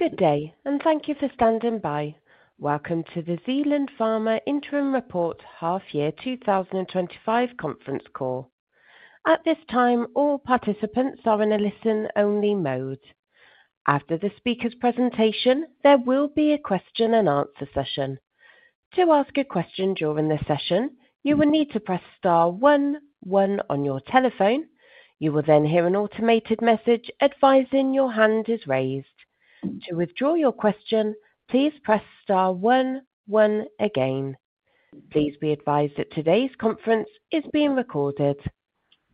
Good day, and thank you for standing by. Welcome to the Zealand Pharma Interim Report Half-Year 2025 Conference Call. At this time, all participants are in a listen-only mode. After the speaker's presentation, there will be a question and answer session. To ask a question during the session, you will need to press star one, one on your telephone. You will then hear an automated message advising your hand is raised. To withdraw your question, please press star one, one again. Please be advised that today's conference is being recorded.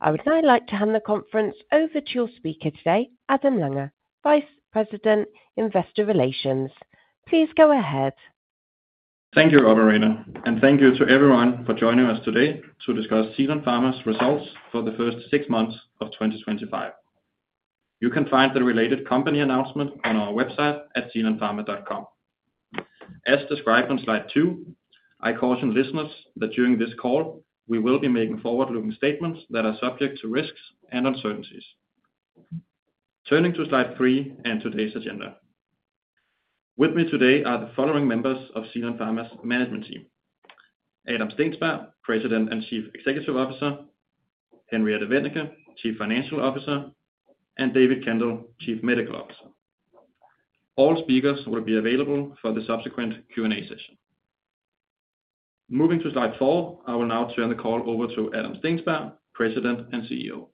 I would now like to hand the conference over to your speaker today, Adam Lange, Vice President, Investor Relations. Please go ahead. Thank you, (Rhoda Rena), and thank you to everyone for joining us today to discuss Zealand Pharma's results for the first six months of 2025. You can find the related company announcement on our website at zealandpharma.com. As described on slide two, I caution listeners that during this call, we will be making forward-looking statements that are subject to risks and uncertainties. Turning to slide three and today's agenda. With me today are the following members of Zealand Pharma's management team: Adam Steensberg, President and Chief Executive Officer; Henriette Wennicke, Chief Financial Officer; and David Kendall, Chief Medical Officer. All speakers will be available for the subsequent Q&A session. Moving to slide four, I will now turn the call over to Adam Steensberg, President and CEO.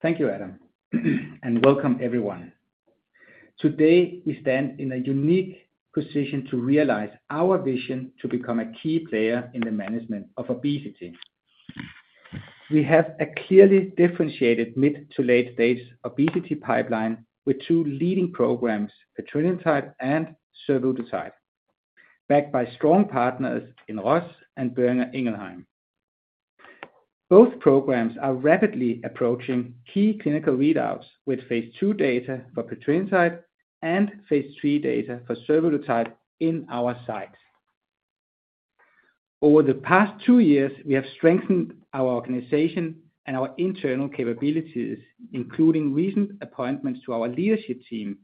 Thank you, Adam, and welcome everyone. Today, we stand in a unique position to realize our vision to become a key player in the management of obesity. We have a clearly differentiated mid-to-late stage obesity pipeline with two leading programs, petrelintide and survodutide, backed by strong partners in Roche and Boehringer Ingelheim. Both programs are rapidly approaching key clinical readouts with phase II data for petrelintide and phase III data for survodutide in our sights. Over the past two years, we have strengthened our organization and our internal capabilities, including recent appointments to our leadership team.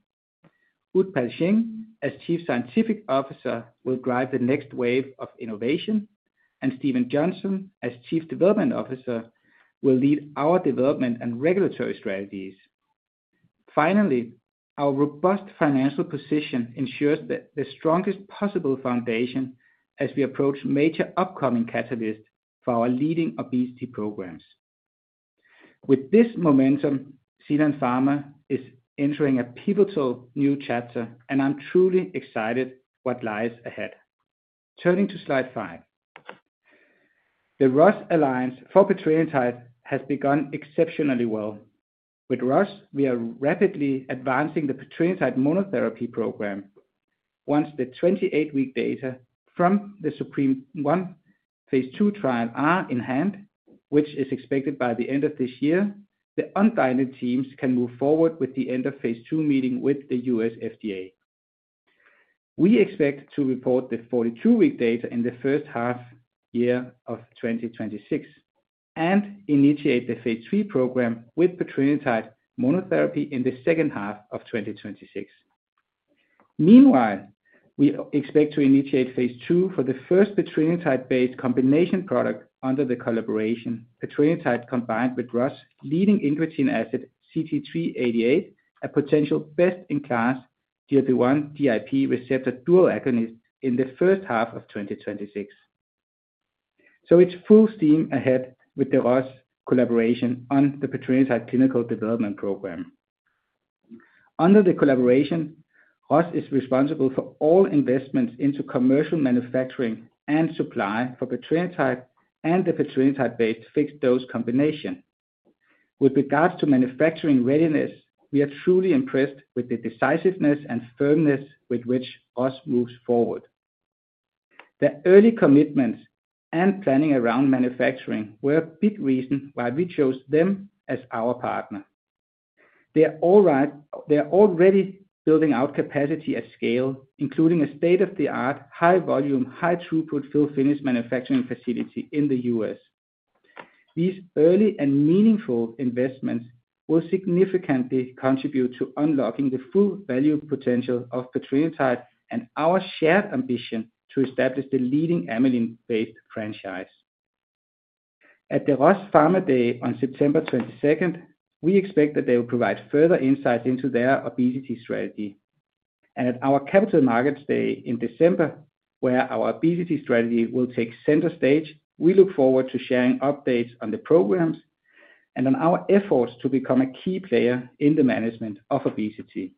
Utpal Singh, as Chief Scientific Officer, will drive the next wave of innovation, and Steven Johnson, as Chief Development Officer, will lead our development and regulatory strategies. Finally, our robust financial position ensures the strongest possible foundation as we approach major upcoming catalysts for our leading obesity programs. With this momentum, Zealand Pharma is entering a pivotal new chapter, and I'm truly excited about what lies ahead. Turning to slide five, the Roche alliance for petrelintide has begun exceptionally well. With Roche, we are rapidly advancing the petrelintide monotherapy program. Once the 28-week data from the ZUPREME-1 phase II trial are in hand, which is expected by the end of this year, the underlying teams can move forward with the end of phase II meeting with the U.S. FDA. We expect to report the 42-week data in the first half year of 2026 and initiate the phase III program with petrelintide monotherapy in the second half of 2026. Meanwhile, we expect to initiate phase II for the first petrelintide-based combination product under the collaboration: petrelintide combined with Roche's leading incretin asset CT-388, a potential best-in-class GLP-1 dual receptor agonist, in the first half of 2026. It is full steam ahead with the Roche collaboration on the petrelintide clinical development program. Under the collaboration, Roche is responsible for all investments into commercial manufacturing and supply for petrelintide and the petrelintide-based fixed dose combination. With regards to manufacturing readiness, we are truly impressed with the decisiveness and firmness with which Roche moves forward. The early commitments and planning around manufacturing were a big reason why we chose them as our partner. They are already building out capacity at scale, including a state-of-the-art, high-volume, high-throughput fill-finish manufacturing facility in the U.S. These early and meaningful investments will significantly contribute to unlocking the full value potential of petrelintide and our shared ambition to establish the leading amylin-based franchise. At the Roche Pharma Day on September 22nd, we expect that they will provide further insights into their obesity strategy. At our Capital Markets Day in December, where our obesity strategy will take center stage, we look forward to sharing updates on the programs and on our efforts to become a key player in the management of obesity.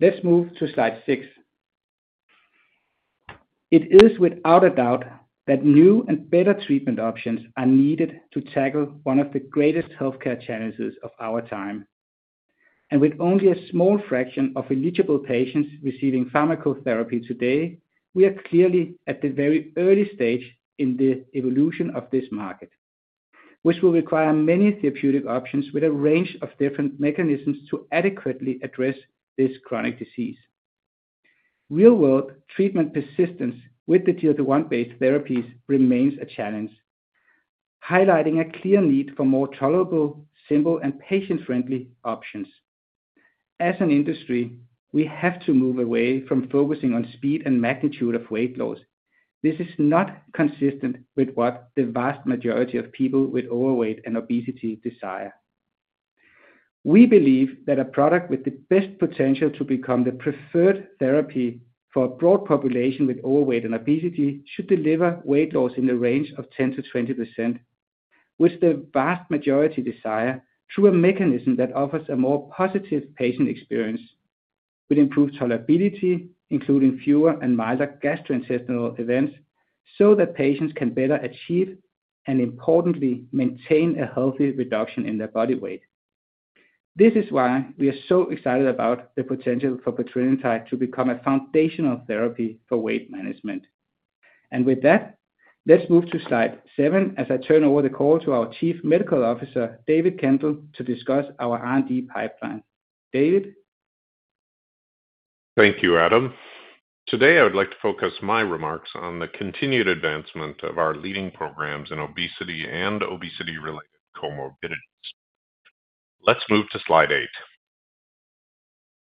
Let's move to slide six. It is without a doubt that new and better treatment options are needed to tackle one of the greatest healthcare challenges of our time. With only a small fraction of eligible patients receiving pharmacotherapy today, we are clearly at the very early stage in the evolution of this market, which will require many therapeutic options with a range of different mechanisms to adequately address this chronic disease. Real-world treatment persistence with the GLP-1-based therapies remains a challenge, highlighting a clear need for more tolerable, simple, and patient-friendly options. As an industry, we have to move away from focusing on speed and magnitude of weight loss. This is not consistent with what the vast majority of people with overweight and obesity desire. We believe that a product with the best potential to become the preferred therapy for a broad population with overweight and obesity should deliver weight loss in the range of 10%-20%, which the vast majority desire through a mechanism that offers a more positive patient experience with improved tolerability, including fewer and milder gastrointestinal events, so that patients can better achieve and, importantly, maintain a healthy reduction in their body weight. This is why we are so excited about the potential for petrelintide to become a foundational therapy for weight management. With that, let's move to slide seven as I turn over the call to our Chief Medical Officer, David Kendall, to discuss our R&D pipeline. David? Thank you, Adam. Today, I would like to focus my remarks on the continued advancement of our leading programs in obesity and obesity-related comorbidities. Let's move to slide eight.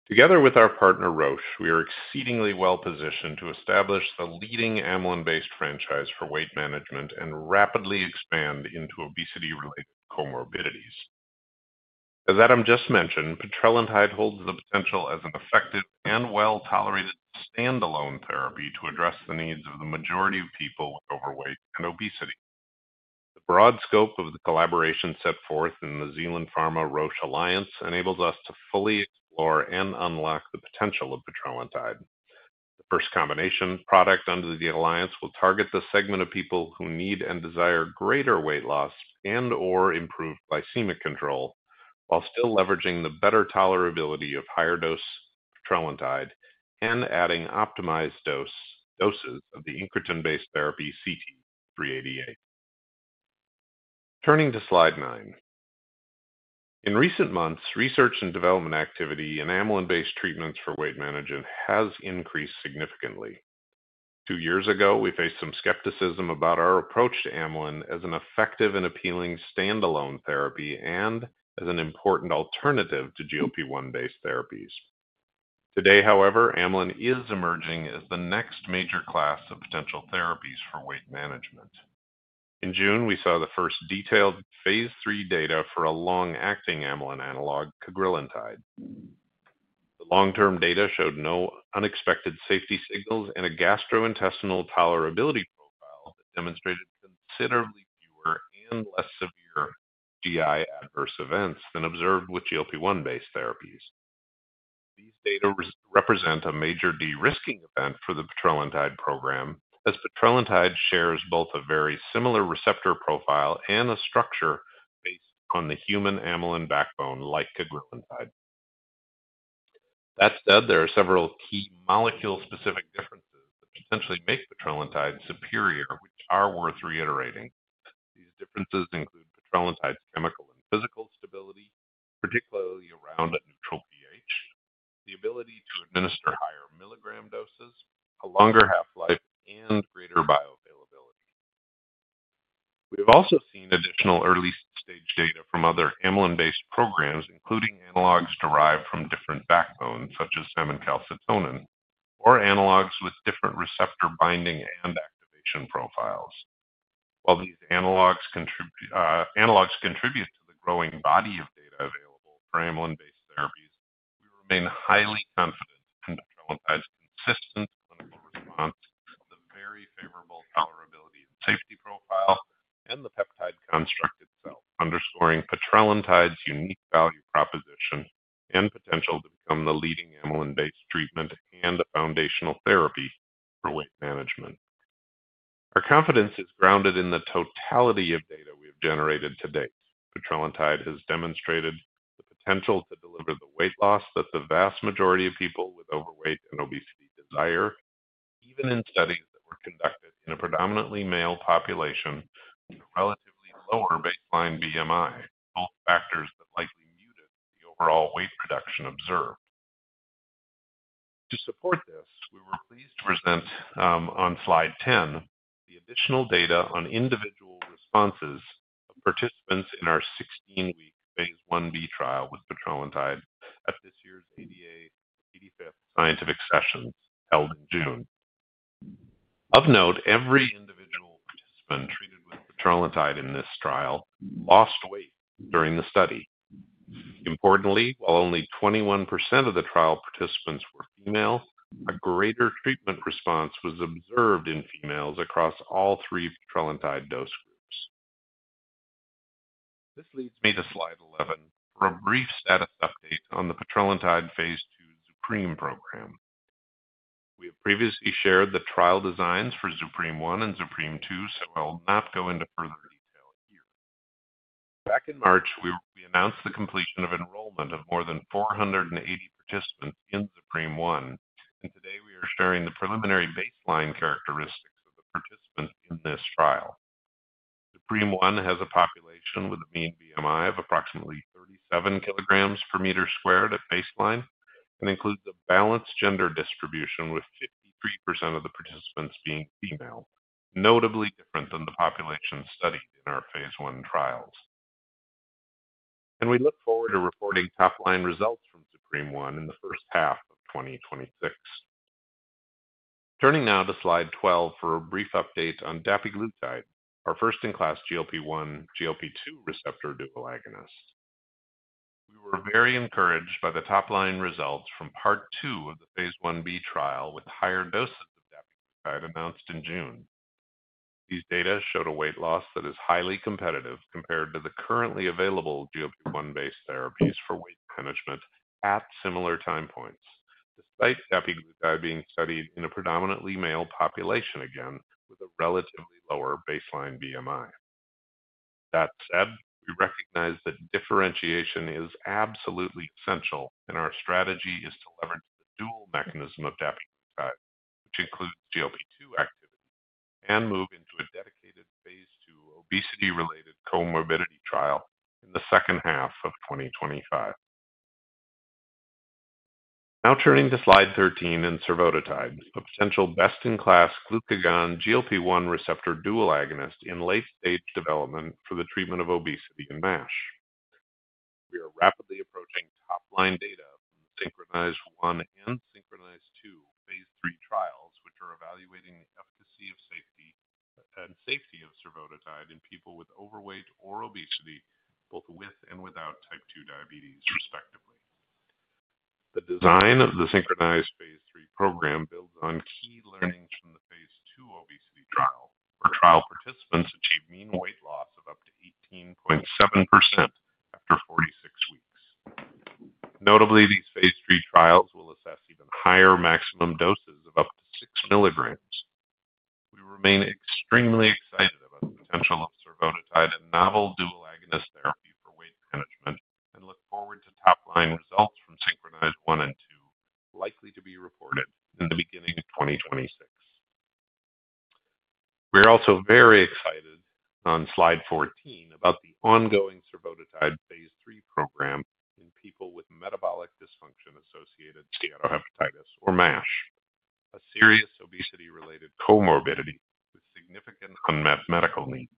Together with our partner, Roche, we are exceedingly well positioned to establish the leading amylin-based franchise for weight management and rapidly expand into obesity-related comorbidities. As Adam just mentioned, petrelintide holds the potential as an effective and well-tolerated standalone therapy to address the needs of the majority of people with overweight and obesity. The broad scope of the collaboration set forth in the Zealand Pharma Roche Alliance enables us to fully explore and unlock the potential of petrelintide. The first combination product under the alliance will target the segment of people who need and desire greater weight loss and/or improved glycemic control while still leveraging the better tolerability of higher dose petrelintide and adding optimized doses of the incretin-based therapy CT-388. Turning to slide nine. In recent months, research and development activity in amylin-based treatments for weight management has increased significantly. Two years ago, we faced some skepticism about our approach to amylin as an effective and appealing standalone therapy and as an important alternative to GLP-1-based therapies. Today, however, amylin is emerging as the next major class of potential therapies for weight management. In June, we saw the first detailed phase III data for a long-acting amylin analog, cagrilintide. The long-term data showed no unexpected safety signals and a gastrointestinal tolerability profile that demonstrated considerably fewer and less severe GI adverse events than observed with GLP-1-based therapies. These data represent a major de-risking event for the petrelintide program as petrelintide shares both a very similar receptor profile and a structure based on the human amylin backbone like cagrilintide. That said, there are several key molecule-specific differences that potentially make petrelintide superior, which are worth reiterating. These differences include petrelintide's chemical and physical stability, particularly around a neutral pH, the ability to administer higher milligram doses, a longer half-life, and greater bioavailability. We have also seen additional early-stage data from other amylin-based programs, including analogs derived from different backbones, such as salmon calcitonin, or analogs with different receptor binding and activation profiles. While these analogs contribute to the growing body of data available for amylin-based therapies, we remain highly confident in petrelintide's consistent clinical response, the very favorable tolerability and safety profile, and the peptide construct itself, underscoring petrelintide's unique value proposition and potential to become the leading amylin-based treatment and a foundational therapy for weight management. Our confidence is grounded in the totality of data we have generated to date. Petrelintide has demonstrated the potential to deliver the weight loss that the vast majority of people with overweight and obesity desire, even in studies that were conducted in a predominantly male population with a relatively lower baseline BMI, all factors that likely muted the overall weight reduction observed. To support this, we were pleased to present on slide 10 the additional data on individual responses of participants in our 16-week phase I-B trial with petrelintide at this year's ADA 82nd Scientific Sessions held in June. Of note, every individual participant treated with petrelintide in this trial lost weight during the study. Importantly, while only 21% of the trial participants were females, a greater treatment response was observed in females across all three petrelintide dose groups. This leads me to slide 11 for a brief status update on the petrelintide phase II ZUPREME-1 program. We have previously shared the trial designs for ZUPREME-1 and ZUPREME-2, so I will not go into further detail here. Back in March, we announced the completion of enrollment of more than 480 participants in ZUPREME-1, and today we are sharing the preliminary baseline characteristics of the participants in this trial. ZUPREME-1 has a population with a mean BMI of approximately 37 kg per meter squared at baseline and includes a balanced gender distribution with 53% of the participants being female, notably different than the population studied in our phase I trials. We look forward to reporting top-line results from ZUPREME-1 in the first half of 2026. Turning now to slide 12 for a brief update on dapiglutide, our first-in-class GLP-1, GLP-2 receptor dual agonist. We were very encouraged by the top-line results from part two of the phase I-B trial with higher doses of dapiglutide announced in June. These data showed a weight loss that is highly competitive compared to the currently available GLP-1-based therapies for weight management at similar time points, despite dapiglutide being studied in a predominantly male population again with a relatively lower baseline BMI. That said, we recognize that differentiation is absolutely essential, and our strategy is to leverage the dual mechanism of dapiglutide, which includes GLP-2 activity, and move into a dedicated phase II obesity-related comorbidity trial in the second half of 2025. Now turning to slide 13 in survodutide, a potential best-in-class glucagon/GLP-1 receptor dual agonist in late-stage development for the treatment of obesity and NASH. We are rapidly approaching top-line data from the SYNCHRONIZE-1 and SYNCHRONIZE-2 phase III trials, which are evaluating the efficacy and safety of survodutide in people with overweight or obesity, both with and without type 2 diabetes, respectively. The design of the SYNCHRONIZE phase III program builds on key learnings from the phase II obesity trial, where trial participants achieved mean weight loss of up to 18.7% after 46 weeks. Notably, these phase III trials will assess even higher maximum doses of up to 6 mg. We remain extremely excited about the potential of survodutide and novel dual agonist therapy for weight management and look forward to top-line results from SYNCHRONIZE-1 and SYNCHRONIZE-2, likely to be reported in the beginning of 2026. We are also very excited on slide 14 about the ongoing survodutide phase III program in people with Metabolic Dysfunction-Associated Steatohepatitis or MASH, a serious obesity-related comorbidity with significant unmet medical needs.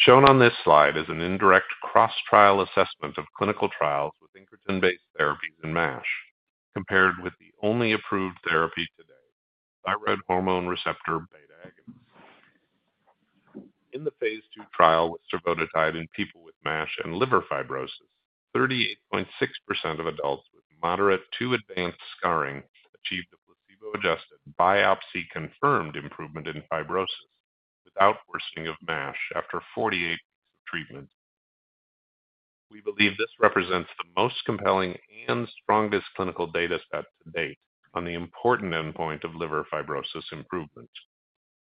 Shown on this slide is an indirect cross-trial assessment of clinical trials with incretin-based therapies and MASH compared with the only approved therapy today, thyroid hormone receptor beta agonist. In the phase II trial with survodutide in people with (NASH) and liver fibrosis, 38.6% of adults with moderate to advanced scarring achieved a placebo-adjusted, biopsy-confirmed improvement in fibrosis without worsening of NASH after 48 weeks of treatment. We believe this represents the most compelling and strongest clinical data set to date on the important endpoint of liver fibrosis improvement.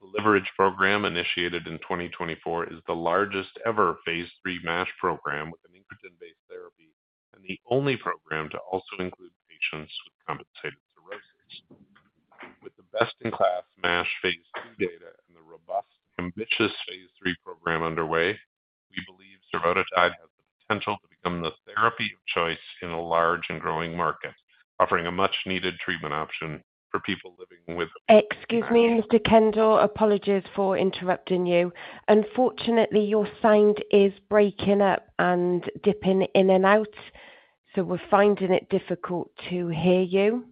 The LIVERAGE program initiated in 2024 is the largest ever phase III (NASH) program with an incretin-based therapy and the only program to also include patients with compensated cirrhosis. With the best-in-class NASH phase II data and the robust, ambitious phase III program underway, we believe survodutide has the potential to become the therapy of choice in a large and growing market, offering a much-needed treatment option for people living with. Excuse me, Mr. Kendall, apologies for interrupting you. Unfortunately, your sound is breaking up and dipping in and out, so we're finding it difficult to hear you.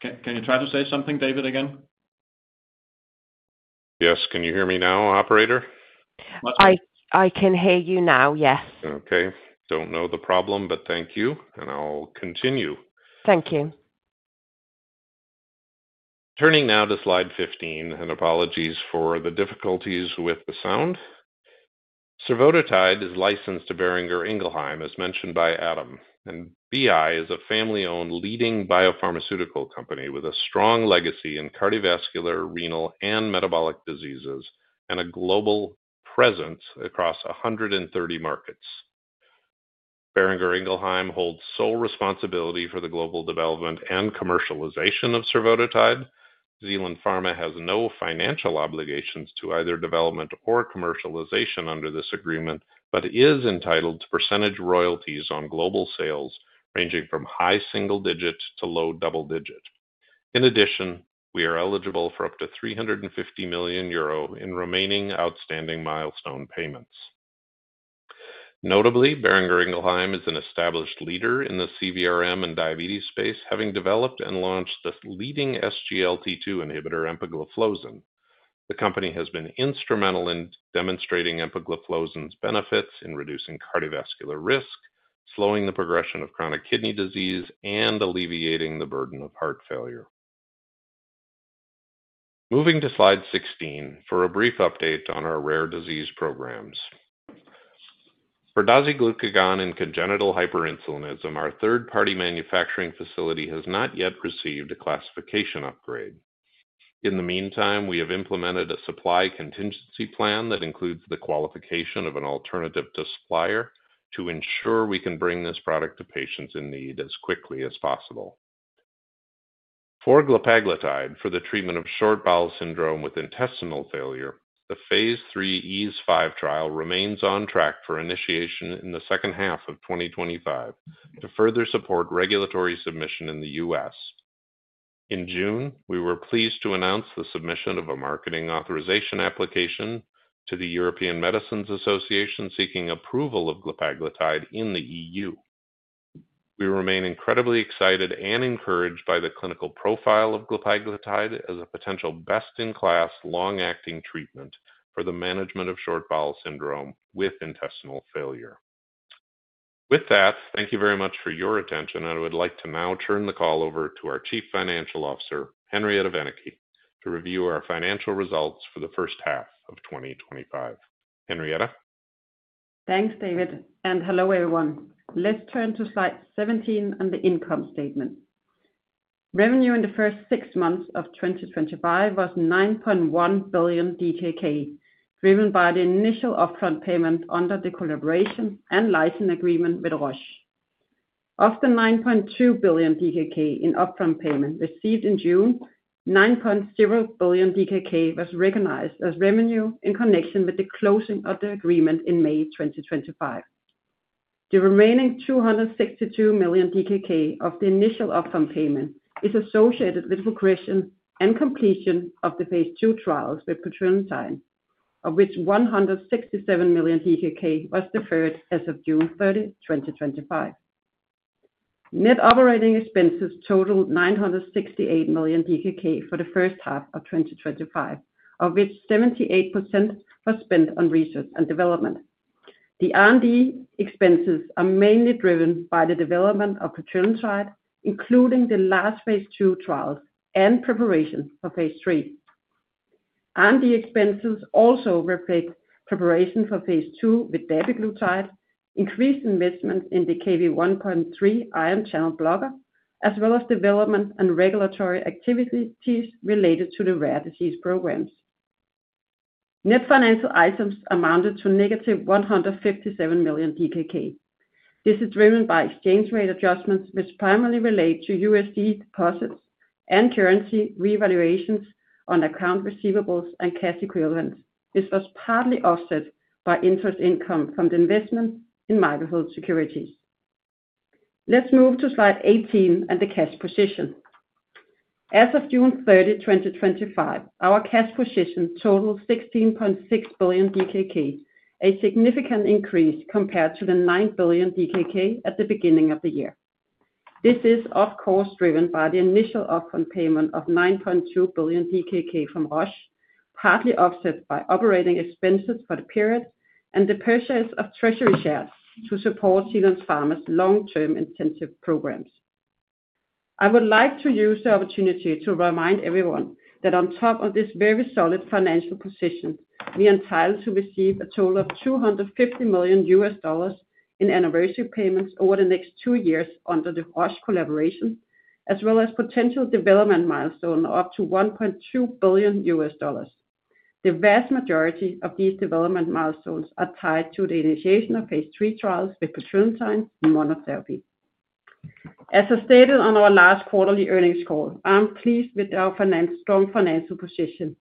Can you try to say something again, David? Yes, can you hear me now, operator? I can hear you now, yes. I don't know the problem, but thank you, and I'll continue. Thank you. Turning now to slide 15, and apologies for the difficulties with the sound. Survodutide is licensed to Boehringer Ingelheim, as mentioned by Adam, and Boehringer Ingelheim is a family-owned leading biopharmaceutical company with a strong legacy in cardiovascular, renal, and metabolic diseases and a global presence across 130 markets. Boehringer Ingelheim holds sole responsibility for the global development and commercialization of survodutide. Zealand Pharma has no financial obligations to either development or commercialization under this agreement but is entitled to percentage royalties on global sales ranging from high single-digit to low double-digit. In addition, we are eligible for up to 350 million euro in remaining outstanding milestone payments. Notably, Boehringer Ingelheim is an established leader in the CVRM and diabetes space, having developed and launched the leading SGLT-2 inhibitor, empagliflozin. The company has been instrumental in demonstrating empagliflozin's benefits in reducing cardiovascular risk, slowing the progression of chronic kidney disease, and alleviating the burden of heart failure. Moving to slide 16 for a brief update on our rare disease programs. For dasiglucagon and congenital hyperinsulinism, our third-party manufacturing facility has not yet received a classification upgrade. In the meantime, we have implemented a supply contingency plan that includes the qualification of an alternative supplier to ensure we can bring this product to patients in need as quickly as possible. For glepaglutide, for the treatment of short bowel syndrome with intestinal failure, the phase III EASE-5 trial remains on track for initiation in the second half of 2025 to further support regulatory submission in the U.S. In June, we were pleased to announce the submission of a marketing authorization application to the European Medicines Association seeking approval of glepaglutide in the E.U. We remain incredibly excited and encouraged by the clinical profile of glepaglutide as a potential best-in-class long-acting treatment for the management of short bowel syndrome with intestinal failure. With that, thank you very much for your attention, and I would like to now turn the call over to our Chief Financial Officer, Henriette Wennicke, to review our financial results for the first half of 2025. Henriette? Thanks, David, and hello, everyone. Let's turn to slide 17 on the income statement. Revenue in the first six months of 2025 was 9.1 billion DKK, driven by the initial upfront payment under the collaboration and license agreement with Roche. Of the 9.2 billion DKK in upfront payment received in June, 9.0 billion DKK was recognized as revenue in connection with the closing of the agreement in May 2025. The remaining 262 million DKK of the initial upfront payment is associated with the progression and completion of the phase II trials with petrelintide, of which 167 million was deferred as of June 30, 2025. Net operating expenses totaled 968 million DKK for the first half of 2025, of which 78% was spent on research and development. The R&D expenses are mainly driven by the development of petrelintide, including the last phase II trials and preparation for phase III. R&D expenses also reflect preparation for phase II with dapiglutide, increased investments in the Kv1.3 ion channel blocker, as well as development and regulatory activities related to the rare disease programs. Net financial items amounted to -157 million DKK. This is driven by exchange rate adjustments, which primarily relate to USD deposits and currency revaluations on account receivables and cash equivalents. This was partly offset by interest income from the investment in Michaelhold Securities. Let's move to slide 18 on the cash position. As of June 30, 2025, our cash position totals 16.6 billion DKK, a significant increase compared to the 9 billion DKK at the beginning of the year. This is, of course, driven by the initial upfront payment of 9.2 billion DKK from Roche, partly offset by operating expenses for the period and the purchase of treasury shares to support Zealand Pharma's long-term intensive programs. I would like to use the opportunity to remind everyone that on top of this very solid financial position, we are entitled to receive a total of $250 million in anniversary payments over the next two years under the Roche collaboration, as well as potential development milestones of up to $1.2 billion. The vast majority of these development milestones are tied to the initiation of phase III trials with petrelintide monotherapy. As I stated on our last quarterly earnings call, I'm pleased with our strong financial position.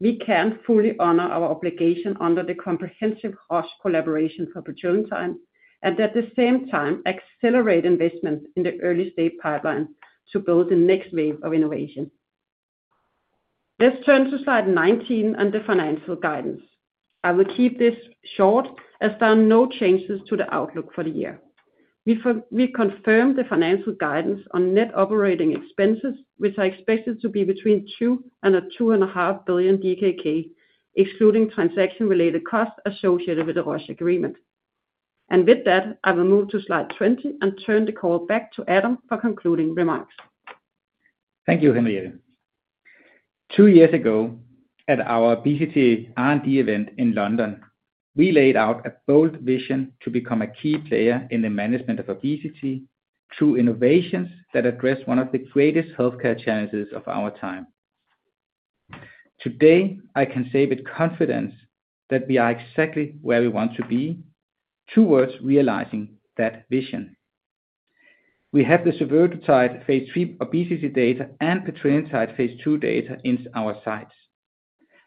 We can fully honor our obligation under the comprehensive Roche collaboration for petrelintide and at the same time accelerate investment in the early-stage pipeline to build the next wave of innovation. Let's turn to slide 19 on the financial guidance. I will keep this short as there are no changes to the outlook for the year. We confirmed the financial guidance on net operating expenses, which are expected to be between 2 billion DKK and DKK 2.5 billion, excluding transaction-related costs associated with the Roche agreement. With that, I will move to slide 20 and turn the call back to Adam for concluding remarks. Thank you, Henriette. Two years ago, at our Obesity R&D event in London, we laid out a bold vision to become a key player in the management of obesity through innovations that address one of the greatest healthcare challenges of our time. Today, I can say with confidence that we are exactly where we want to be, towards realizing that vision. We have the survodutide phase III obesity data and petrelintide phase II data in our sights,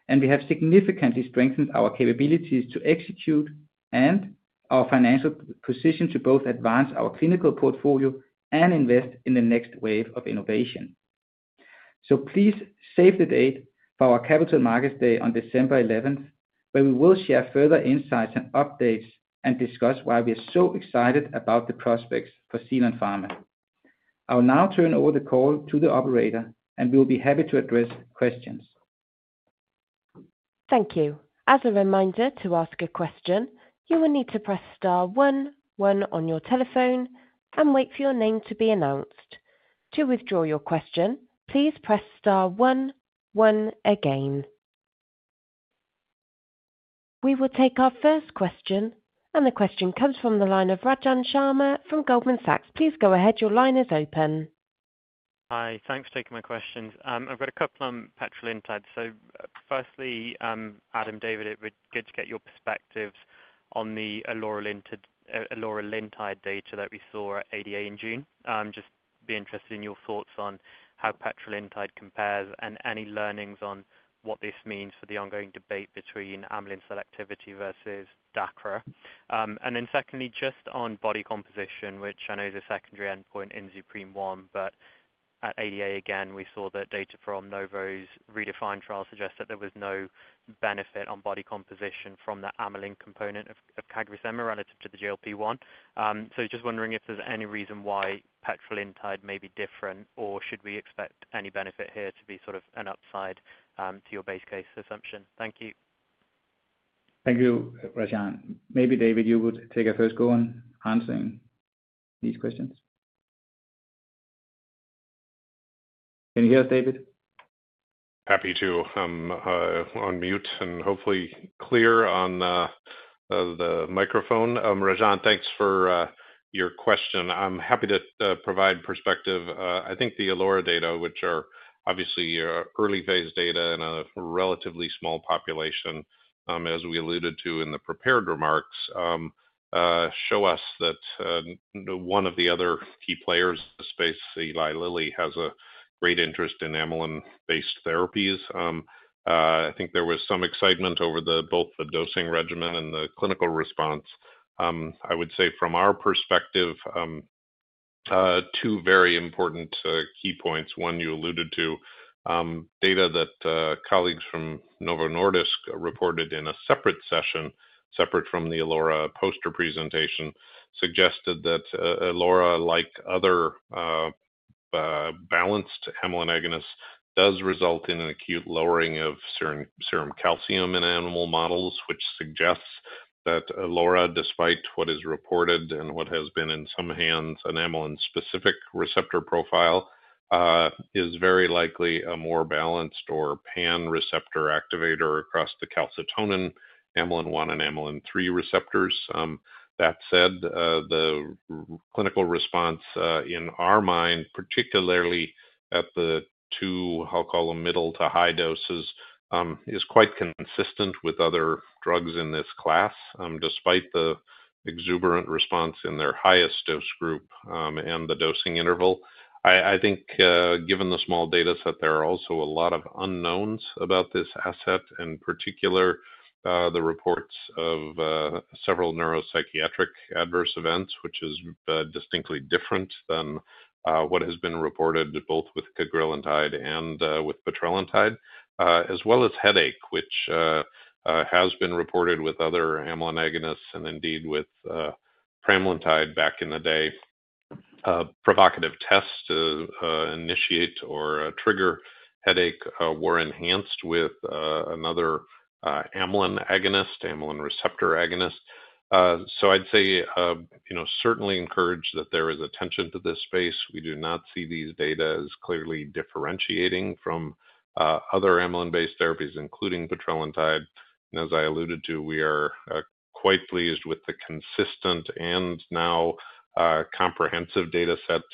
and we have significantly strengthened our capabilities to execute and our financial position to both advance our clinical portfolio and invest in the next wave of innovation. Please save the date for our Capital Markets Day on December 11th, where we will share further insights and updates and discuss why we are so excited about the prospects for Zealand Pharma. I will now turn over the call to the operator, and we'll be happy to address questions. Thank you. As a reminder to ask a question, you will need to press star one, one on your telephone and wait for your name to be announced. To withdraw your question, please press star one, one again. We will take our first question, and the question comes from the line of Rajan Sharma from Goldman Sachs. Please go ahead, your line is open. Hi, thanks for taking my questions. I've got a couple on petrelintide. Firstly, Adam, David, it would be good to get your perspectives on the alorilintide data that we saw at ADA in June. I'd just be interested in your thoughts on how petrelintide compares and any learnings on what this means for the ongoing debate between amylin selectivity versus DACRA. Secondly, just on body composition, which I know is a secondary endpoint in ZUPREME-1, at ADA again, we saw that data from Novo's REDEFINED trial suggests that there was no benefit on body composition from the amylin component of CagriSema relative to the GLP-1. Just wondering if there's any reason why petrelintide may be different or should we expect any benefit here to be sort of an upside to your base case assumption. Thank you. Thank you, Rajan. Maybe, David, you would take a first go on answering these questions. Can you hear us, David? Happy to. I'm on mute and hopefully clear on the microphone. Rajan, thanks for your question. I'm happy to provide perspective. I think the Alora data, which are obviously early phase data in a relatively small population, as we alluded to in the prepared remarks, show us that one of the other key players in the space, Eli Lilly, has a great interest in amylin-based therapies. I think there was some excitement over both the dosing regimen and the clinical response. I would say from our perspective, two very important key points. One, you alluded to data that colleagues from Novo Nordisk reported in a separate session, separate from the Alora poster presentation, suggested that Alora, like other balanced amylin agonists, does result in an acute lowering of serum calcium in animal models, which suggests that Alora, despite what is reported and what has been in some hands, an amylin-specific receptor profile, is very likely a more balanced or pan-receptor activator across the calcitonin, amylin-1, and amylin-3 receptors. That said, the clinical response in our mind, particularly at the two, I'll call them, middle to high doses, is quite consistent with other drugs in this class, despite the exuberant response in their highest dose group and the dosing interval. I think, given the small data set, there are also a lot of unknowns about this asset, in particular, the reports of several neuropsychiatric adverse events, which is distinctly different than what has been reported both with cagrilintide and with petrelintide, as well as headache, which has been reported with other amylin agonists and indeed with pramlintide back in the day. Provocative tests to initiate or trigger headache were enhanced with another amylin agonist, amylin receptor agonist. I'd say, you know, certainly encouraged that there is attention to this space. We do not see these data as clearly differentiating from other amylin-based therapies, including petrelintide. As I alluded to, we are quite pleased with the consistent and now comprehensive data sets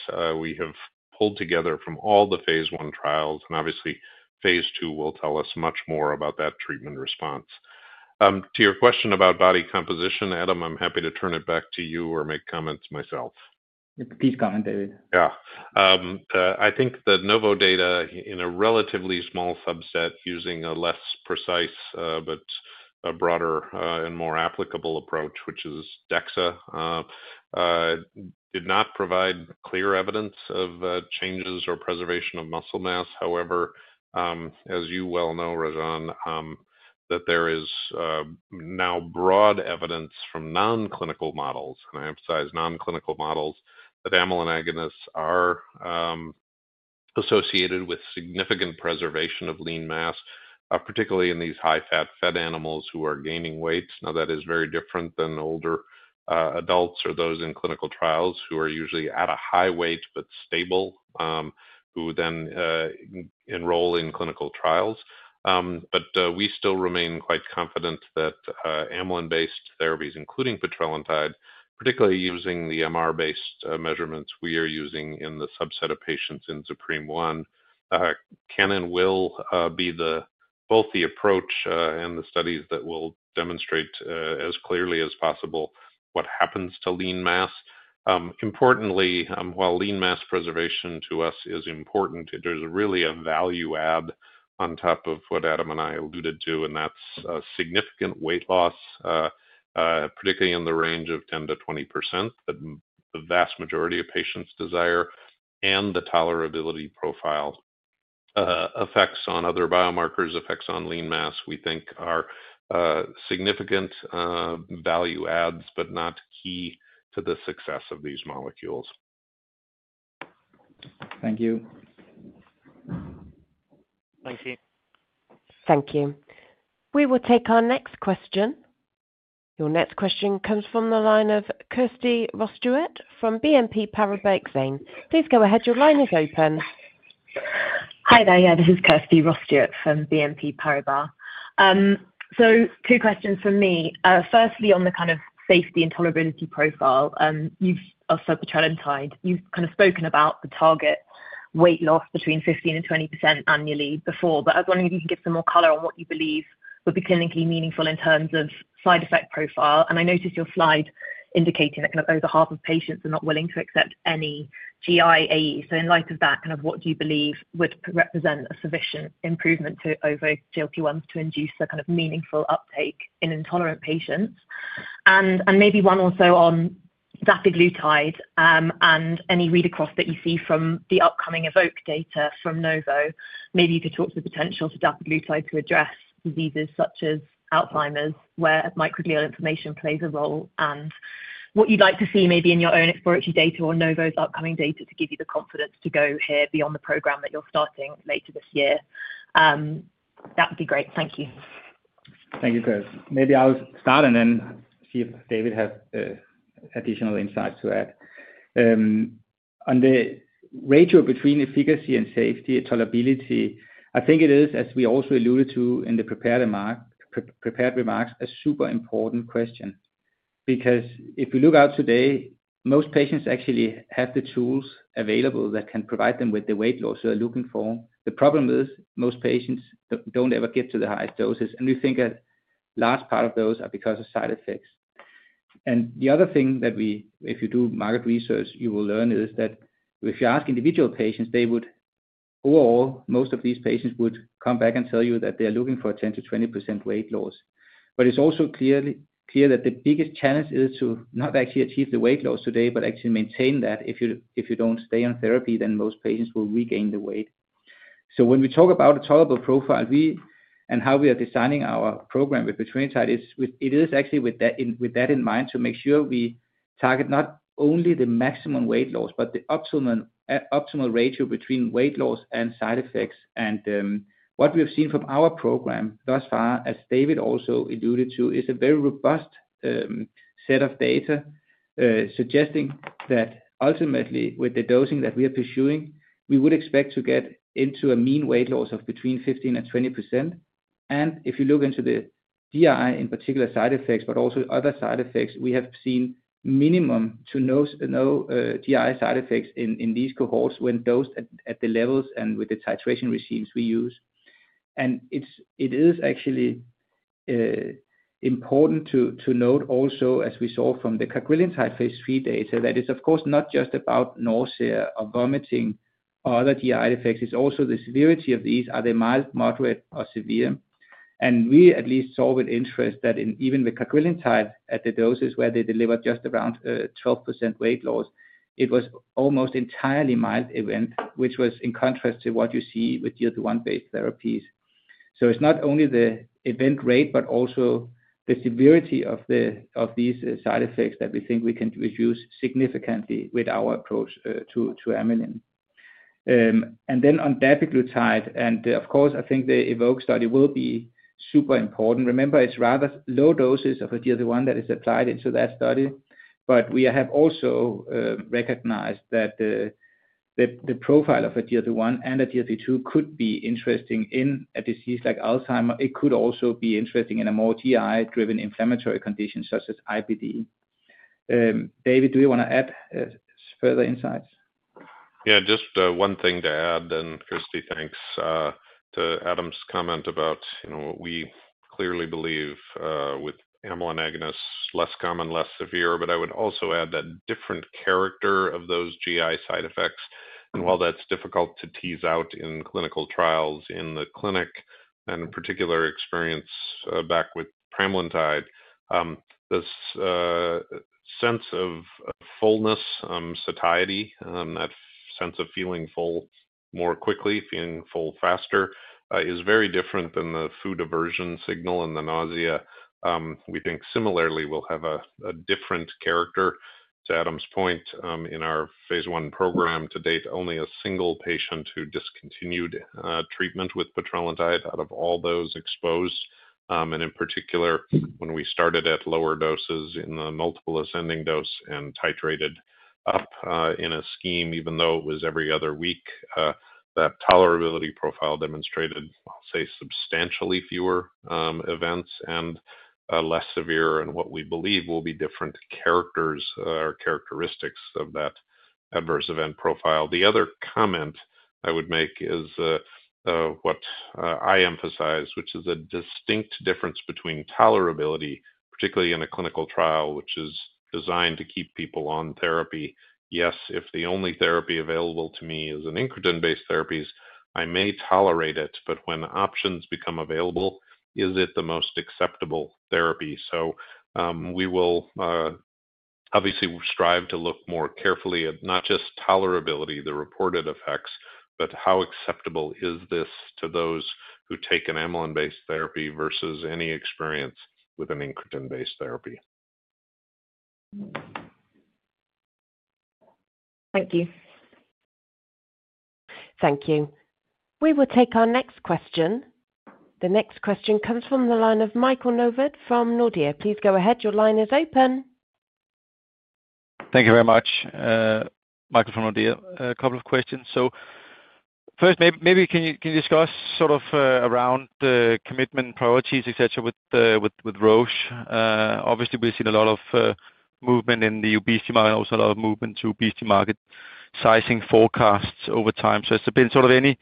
we have pulled together from all the phase I trials, and obviously, phase II will tell us much more about that treatment response. To your question about body composition, Adam, I'm happy to turn it back to you or make comments myself. Please comment, David. Yeah. I think the Novo data, in a relatively small subset, using a less precise but a broader and more applicable approach, which is DEXA, did not provide clear evidence of changes or preservation of muscle mass. However, as you well know, Rajan, there is now broad evidence from non-clinical models, and I emphasize non-clinical models, that amylin analogs are associated with significant preservation of lean mass, particularly in these high-fat fed animals who are gaining weight. That is very different than older adults or those in clinical trials who are usually at a high weight but stable, who then enroll in clinical trials. We still remain quite confident that amylin analog-based therapies, including petrelintide, particularly using the MR-based measurements we are using in the subset of patients in ZUPREME-1, can and will be both the approach and the studies that will demonstrate as clearly as possible what happens to lean mass. Importantly, while lean mass preservation to us is important, there's really a value add on top of what Adam and I alluded to, and that's significant weight loss, particularly in the range of 10%-20% that the vast majority of patients desire, and the tolerability profile, effects on other biomarkers, effects on lean mass, we think are significant value adds but not key to the success of these molecules. Thank you. Thank you. Thank you. We will take our next question. Your next question comes from the line of Kirsty Ross-Stewart from BNP Paribas. Please go ahead, your line is open. Hi there, yeah, this is Kirsty Ross-Stewart from BNP Paribas. Two questions from me. Firstly, on the kind of safety and tolerability profile of sublingual petrelintide, you've kind of spoken about the target weight loss between 15% and 20% annually before, but I was wondering if you could give some more color on what you believe would be clinically meaningful in terms of side effect profile. I noticed your slide indicating that kind of over half of patients are not willing to accept any GIAE. In light of that, what do you believe would represent a sufficient improvement over GLP-1s to induce a kind of meaningful uptake in intolerant patients? Maybe one also on dapiglutide and any read across that you see from the upcoming evoke data from Novo. Maybe you could talk to the potential to dapiglutide to address diseases such as Alzheimer's, where microglial inflammation plays a role, and what you'd like to see maybe in your own exploratory data or Novo's upcoming data to give you the confidence to go here beyond the program that you're starting later this year. That would be great, thank you. Thank you, Kirs. Maybe I'll start and then see if David has additional insights to add. The ratio between efficacy and safety and tolerability, I think it is, as we also alluded to in the prepared remarks, a super important question. If you look out today, most patients actually have the tools available that can provide them with the weight loss they're looking for. The problem is most patients don't ever get to the highest doses, and we think a large part of those are because of side effects. If you do market research, you will learn that if you ask individual patients, overall, most of these patients would come back and tell you that they're looking for a 10%-20% weight loss. It's also clear that the biggest challenge is to not actually achieve the weight loss today, but actually maintain that. If you don't stay on therapy, then most patients will regain the weight. When we talk about a tolerable profile, and how we are designing our program with petrelintide, it is actually with that in mind to make sure we target not only the maximum weight loss, but the optimal ratio between weight loss and side effects. What we've seen from our program thus far, as David also alluded to, is a very robust set of data suggesting that ultimately with the dosing that we are pursuing, we would expect to get into a mean weight loss of between 15% and 20%. If you look into the GI, in particular side effects, but also other side effects, we have seen minimum to no GI side effects in these cohorts when dosed at the levels and with the titration regimes we use. It is actually important to note also, as we saw from the cagrilintide phase III data, that it's of course not just about nausea or vomiting or other GI defects. It's also the severity of these. Are they mild, moderate, or severe? We at least saw with interest that even with cagrilintide at the doses where they deliver just around 12% weight loss, it was almost an entirely mild event, which was in contrast to what you see with GLP-1-based therapies. It's not only the event rate, but also the severity of these side effects that we think we can reduce significantly with our approach to amylin. On dapiglutide, I think the evoke study will be super important. Remember, it's rather low doses of a GLP-1 that is applied into that study, but we have also recognized that the profile of a GLP-1 and a GLP-2 could be interesting in a disease like Alzheimer's. It could also be interesting in a more GI-driven inflammatory condition such as IBD. David, do you want to add further insights? Yeah, just one thing to add then, Kirsty, thanks to Adam's comment about, you know, we clearly believe with amylin analogs, less common, less severe, but I would also add that different character of those GI side effects. While that's difficult to tease out in clinical trials in the clinic, and in particular experience back with pramlintide, this sense of fullness, satiety, that sense of feeling full more quickly, feeling full faster, is very different than the food aversion signal and the nausea. We think similarly we'll have a different character. To Adam's point, in our phase I program to date, only a single patient who discontinued treatment with petrelintide out of all those exposed. In particular, when we started at lower doses in the multiple ascending dose and titrated up in a scheme, even though it was every other week, that tolerability profile demonstrated, I'll say, substantially fewer events and less severe. What we believe will be different characters or characteristics of that adverse event profile. The other comment I would make is what I emphasize, which is a distinct difference between tolerability, particularly in a clinical trial which is designed to keep people on therapy. Yes, if the only therapy available to me is an incretin-based therapy, I may tolerate it, but when options become available, is it the most acceptable therapy? We will obviously strive to look more carefully at not just tolerability, the reported effects, but how acceptable is this to those who take an amylin-based therapy versus any experience with an incretin-based therapy? Thank you. Thank you. We will take our next question. The next question comes from the line of Michael Novod from Nordea. Please go ahead, your line is open. Thank you very much. Michael from Nordia, a couple of questions. First, maybe can you discuss sort of around the commitment priorities, et cetera, with Roche? Obviously, we've seen a lot of movement in the obesity market and also a lot of movement to obesity market sizing forecasts over time. Has there been sort of any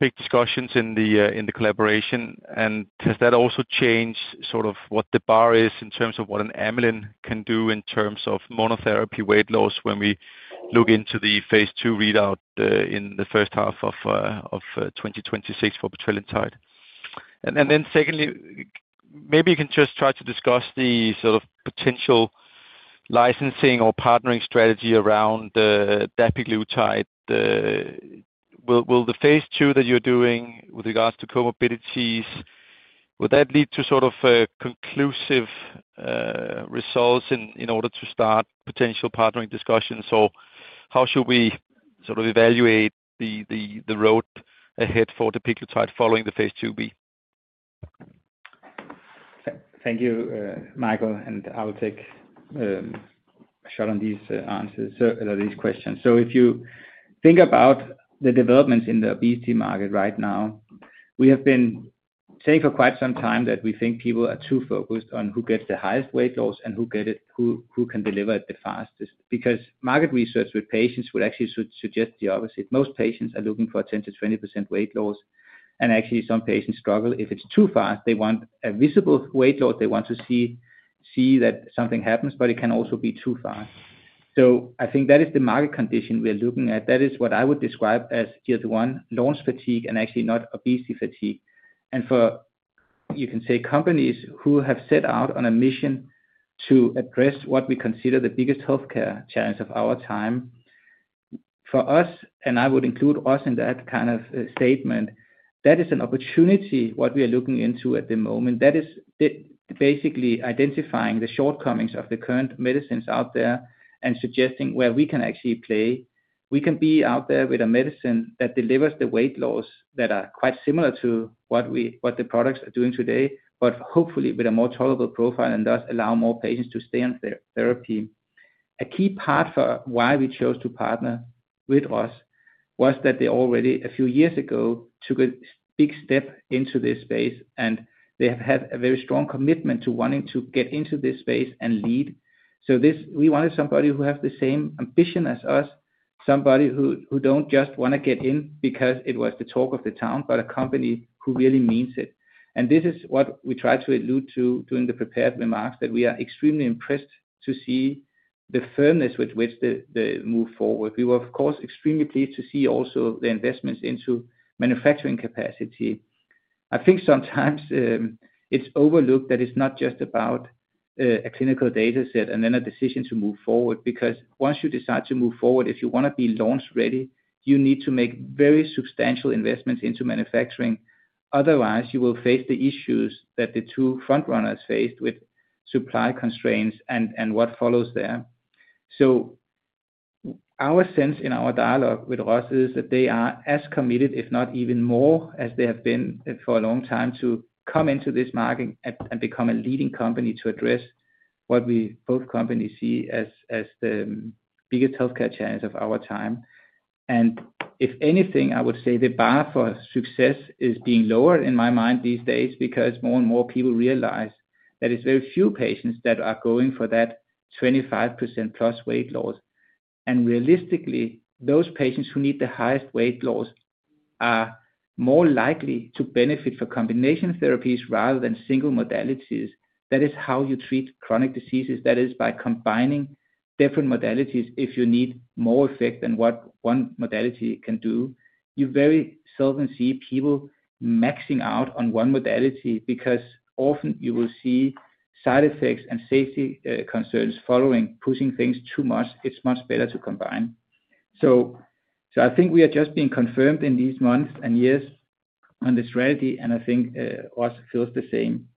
big discussions in the collaboration? Has that also changed sort of what the bar is in terms of what an amylin can do in terms of monotherapy weight loss when we look into the phase II readout in the first half of 2026 for petrelintide? Secondly, maybe you can just try to discuss the sort of potential licensing or partnering strategy around dapiglutide. Will the phase II that you're doing with regards to comorbidities, will that lead to sort of conclusive results in order to start potential partnering discussions? How should we sort of evaluate the road ahead for dapiglutide following the phase II-B? Thank you, Michael, I will take a shot on these answers or these questions. If you think about the developments in the obesity market right now, we have been saying for quite some time that we think people are too focused on who gets the highest weight loss and who can deliver it the fastest, because market research with patients would actually suggest the opposite. Most patients are looking for a 10%-20% weight loss, and actually some patients struggle. If it's too fast, they want a visible weight loss. They want to see that something happens, but it can also be too fast. I think that is the market condition we're looking at. That is what I would describe as GLP-1 launch fatigue and actually not obesity fatigue. For companies who have set out on a mission to address what we consider the biggest healthcare challenge of our time, for us, and I would include us in that kind of statement, that is an opportunity we are looking into at the moment. That is basically identifying the shortcomings of the current medicines out there and suggesting where we can actually play. We can be out there with a medicine that delivers the weight loss that are quite similar to what the products are doing today, but hopefully with a more tolerable profile and thus allow more patients to stay on therapy. A key part for why we chose to partner with us was that they already, a few years ago, took a big step into this space, and they have had a very strong commitment to wanting to get into this space and lead. We wanted somebody who has the same ambition as us, somebody who doesn't just want to get in because it was the talk of the town, but a company who really means it. This is what we try to allude to during the prepared remarks, that we are extremely impressed to see the firmness with which they move forward. We were, of course, extremely pleased to see also the investments into manufacturing capacity. I think sometimes it's overlooked that it's not just about a clinical data set and then a decision to move forward, because once you decide to move forward, if you want to be launch-ready, you need to make very substantial investments into manufacturing. Otherwise, you will face the issues that the two front-runners faced with supply constraints and what follows there. Our sense in our dialogue with Roche is that they are as committed, if not even more, as they have been for a long time to come into this market and become a leading company to address what both companies see as the biggest healthcare challenge of our time. If anything, I would say the bar for success is being lowered in my mind these days because more and more people realize that it's very few patients that are going for that 25%+ weight loss. Realistically, those patients who need the highest weight loss are more likely to benefit from combination therapies rather than single modalities. That is how you treat chronic diseases, by combining different modalities if you need more effect than what one modality can do. You very seldom see people maxing out on one modality because often you will see side effects and safety concerns following pushing things too much. It's much better to combine. I think we are just being confirmed in these months and years on the strategy, and I think Roche feels the same.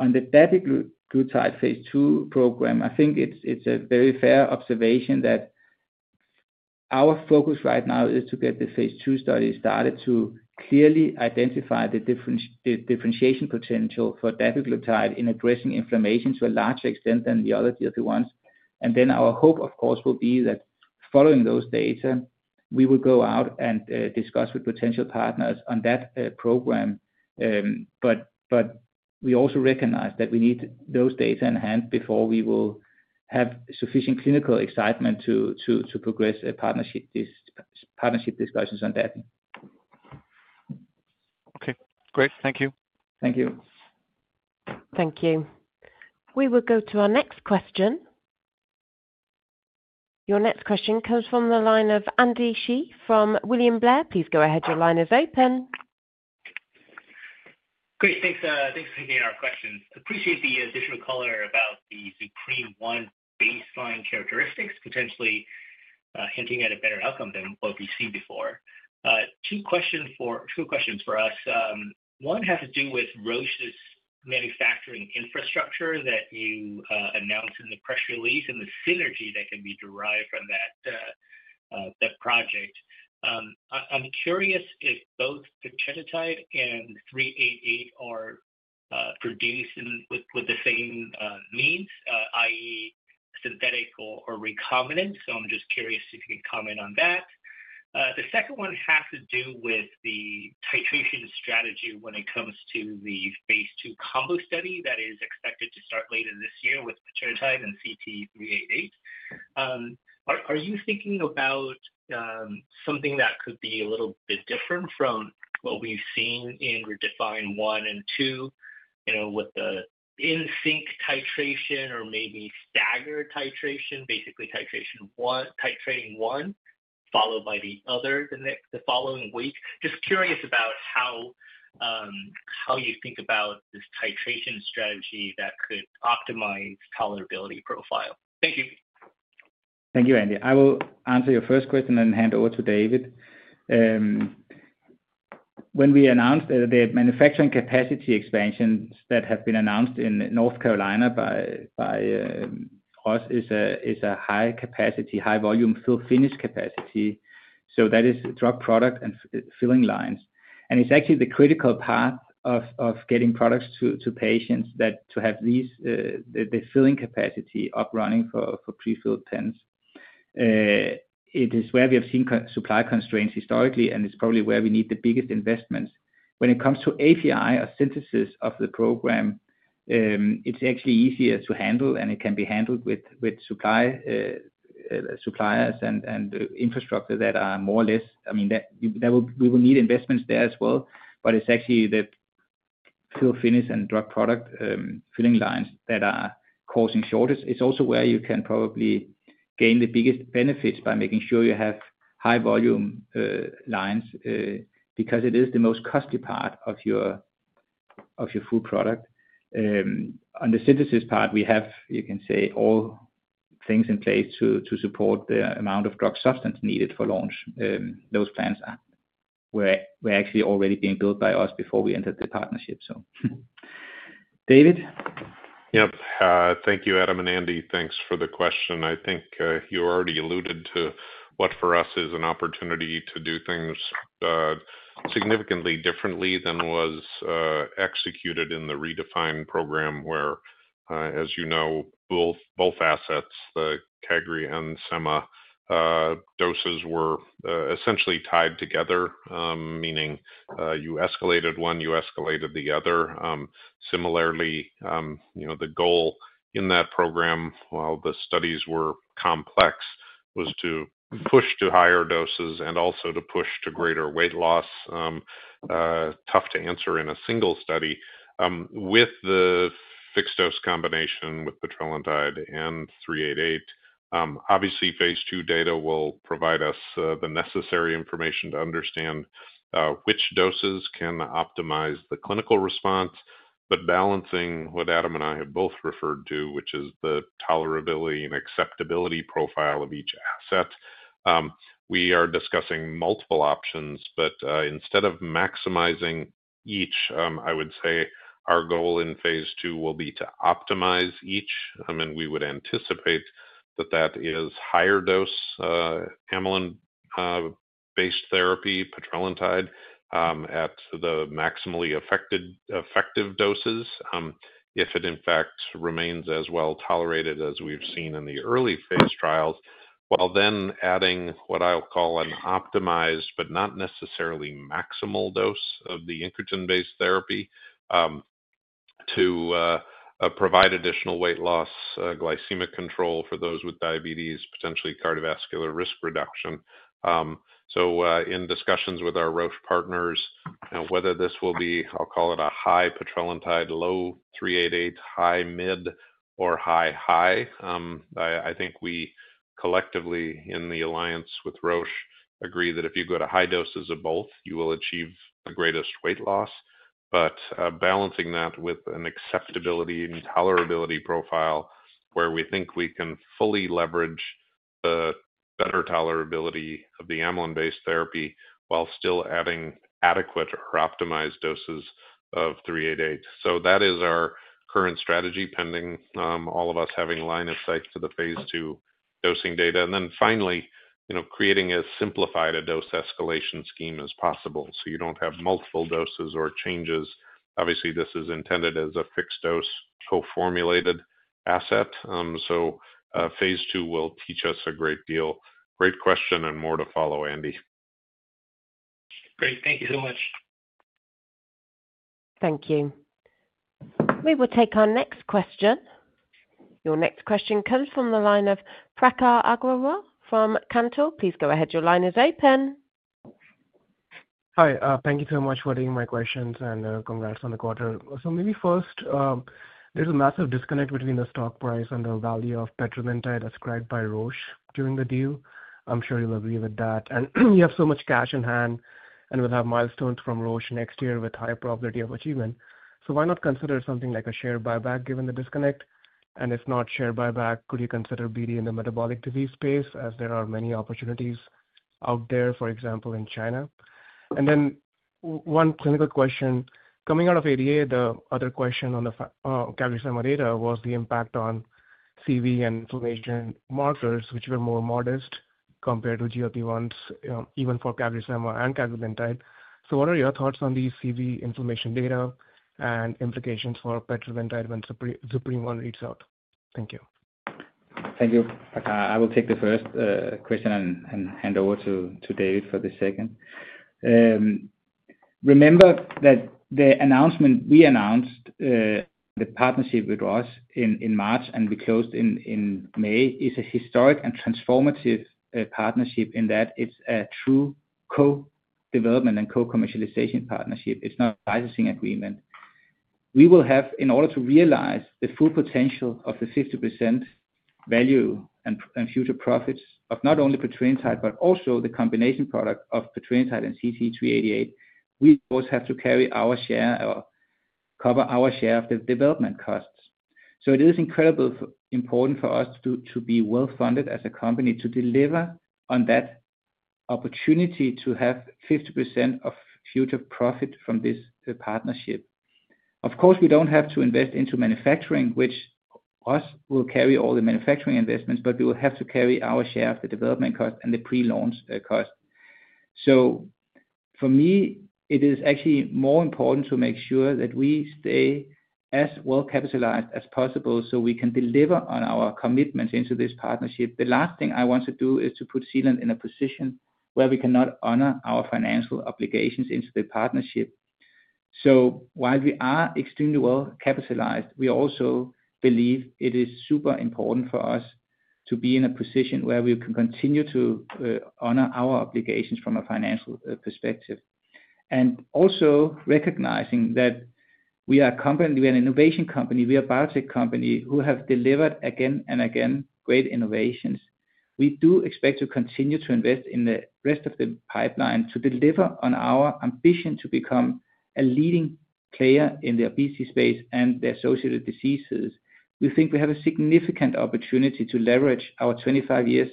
On the dapiglutide phase II program, I think it's a very fair observation that our focus right now is to get the phase II study started to clearly identify the differentiation potential for dapiglutide in addressing inflammation to a larger extent than the other GLP-1s. Our hope, of course, will be that following those data, we will go out and discuss with potential partners on that program. We also recognize that we need those data in hand before we will have sufficient clinical excitement to progress partnership discussions on that. Okay, great. Thank you. Thank you. Thank you. We will go to our next question. Your next question comes from the line of Andy Hsieh from William Blair. Please go ahead, your line is open. Great, thanks for taking our question. Appreciate the additional color about the ZUPREME-1 baseline characteristics, potentially hinting at a better outcome than what we've seen before. Two questions for us. One has to do with Roche's manufacturing infrastructure that you announced in the press release and the synergy that can be derived from that project. I'm curious if both petrelintide and CT-388 are produced with the same means, i.e., synthetic or recombinant. I'm just curious if you can comment on that. The second one has to do with the titration strategy when it comes to the phase II combo study that is expected to start later this year with petrelintide and CT-388. Are you thinking about something that could be a little bit different from what we've seen in REDEFINED 1 and REDEFINED 2, you know, with the in-sync titration or maybe staggered titration, basically titrating one followed by the other the following week? Just curious about how you think about this titration strategy that could optimize tolerability profile. Thank you, Andy. I will answer your first question and then hand over to David. When we announced the manufacturing capacity expansions that have been announced in North Carolina by us, it's a high capacity, high volume filled finish capacity. That is drug product and filling lines. It's actually the critical path of getting products to patients to have the filling capacity up running for pre-filled pens. It is where we have seen supply constraints historically, and it's probably where we need the biggest investments. When it comes to API, a synthesis of the program, it's actually easier to handle, and it can be handled with suppliers and infrastructure that are more or less, I mean, we will need investments there as well, but it's actually the filled finish and drug product filling lines that are causing shortages. It's also where you can probably gain the biggest benefits by making sure you have high volume lines because it is the most costly part of your full product. On the synthesis part, we have, you can say, all things in place to support the amount of drug substance needed for launch. Those plans were actually already being built by us before we entered the partnership. So, David? Thank you, Adam and Andy. Thanks for the question. I think you already alluded to what for us is an opportunity to do things significantly differently than was executed in the redefined program where, as you know, both assets, the Cagri and Sema, doses were essentially tied together, meaning you escalated one, you escalated the other. Similarly, the goal in that program, while the studies were complex, was to push to higher doses and also to push to greater weight loss. Tough to answer in a single study. With the fixed dose combination with petrelintide and CT-388, obviously, phase II data will provide us the necessary information to understand which doses can optimize the clinical response, but balancing what Adam and I have both referred to, which is the tolerability and acceptability profile of each asset. We are discussing multiple options, but instead of maximizing each, I would say our goal in phase II will be to optimize each. I mean, we would anticipate that that is higher dose amylin-based therapy, petrelintide, at the maximally effective doses. If it, in fact, remains as well tolerated as we've seen in the early phase trials, then adding what I'll call an optimized, but not necessarily maximal dose of the incretin-based therapy to provide additional weight loss, glycemic control for those with diabetes, potentially cardiovascular risk reduction. In discussions with our Roche partners, whether this will be, I'll call it a high petrelintide, low CT-388, high mid, or high high, I think we collectively in the alliance with Roche agree that if you go to high doses of both, you will achieve the greatest weight loss. Balancing that with an acceptability and tolerability profile where we think we can fully leverage the better tolerability of the amylin-based therapy while still adding adequate or optimized doses of CT-388. That is our current strategy pending all of us having line of sight to the phase II dosing data. Finally, creating as simplified a dose escalation scheme as possible so you don't have multiple doses or changes. Obviously, this is intended as a fixed dose co-formulated asset. Phase II will teach us a great deal. Great question and more to follow, Andy. Great, thank you so much. Thank you. We will take our next question. Your next question comes from the line of Prakhar Agrawal from Cantor. Please go ahead, your line is open. Hi, thank you so much for the invitation and congrats on the quarter. Maybe first, there's a massive disconnect between the stock price and the value of petrelintide ascribed by Roche during the deal. I'm sure you'll agree with that. You have so much cash in hand, and you'll have milestones from Roche next year with high probability of achievement. Why not consider something like a share buyback given the disconnect? If not share buyback, could you consider (BD) in the metabolic disease space as there are many opportunities out there, for example, in China? One clinical question. Coming out of ADA, the other question on the CagriSema data was the impact on CV and inflammation markers, which were more modest compared to GLP-1s, even for CagriSema and petrelintide. What are your thoughts on the CV inflammation data and implications for petrelintide when ZUPREME-1 reached out? Thank you. Thank you, Prakhar. I will take the first question and hand over to David for the second. Remember that the announcement we announced, the partnership with Roche in March and we closed in May, is a historic and transformative partnership in that it's a true co-development and co-commercialization partnership. It's not a licensing agreement. We will have, in order to realize the full potential of the 50% value and future profits of not only petrelintide, but also the combination product of petrelintide and CT-388, we both have to carry our share or cover our share of the development costs. It is incredibly important for us to be well-funded as a company to deliver on that opportunity to have 50% of future profit from this partnership. Of course, we don't have to invest into manufacturing, which Roche will carry all the manufacturing investments, but we will have to carry our share of the development cost and the pre-launch cost. For me, it is actually more important to make sure that we stay as well capitalized as possible so we can deliver on our commitments into this partnership. The last thing I want to do is to put Zealand in a position where we cannot honor our financial obligations into the partnership. While we are extremely well capitalized, we also believe it is super important for us to be in a position where we can continue to honor our obligations from a financial perspective. Also recognizing that we are a company, we are an innovation company, we are a biotech company who have delivered again and again great innovations. We do expect to continue to invest in the rest of the pipeline to deliver on our ambition to become a leading player in the obesity space and the associated diseases. We think we have a significant opportunity to leverage our 25 years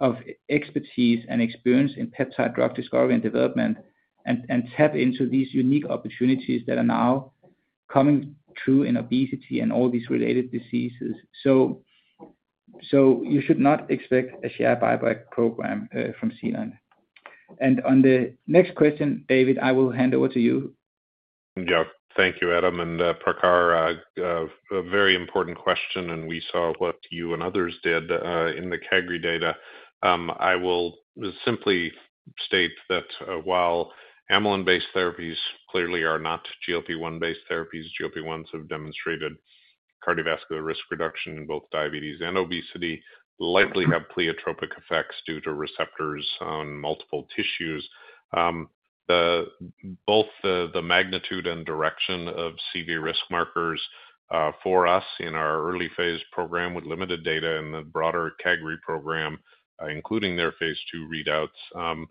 of expertise and experience in peptide drug discovery and development and tap into these unique opportunities that are now coming true in obesity and all these related diseases. You should not expect a share buyback program from Zealand. On the next question, David, I will hand over to you. Yeah, thank you, Adam. Prakhar, a very important question, and we saw what you and others did in the Cagri data. I will simply state that while amylin analog therapies clearly are not GLP-1-based therapies, GLP-1s have demonstrated cardiovascular risk reduction in both diabetes and obesity, likely have pleiotropic effects due to receptors on multiple tissues. Both the magnitude and direction of CV risk markers for us in our early phase program with limited data in the broader CAGRI program, including their phase II readouts,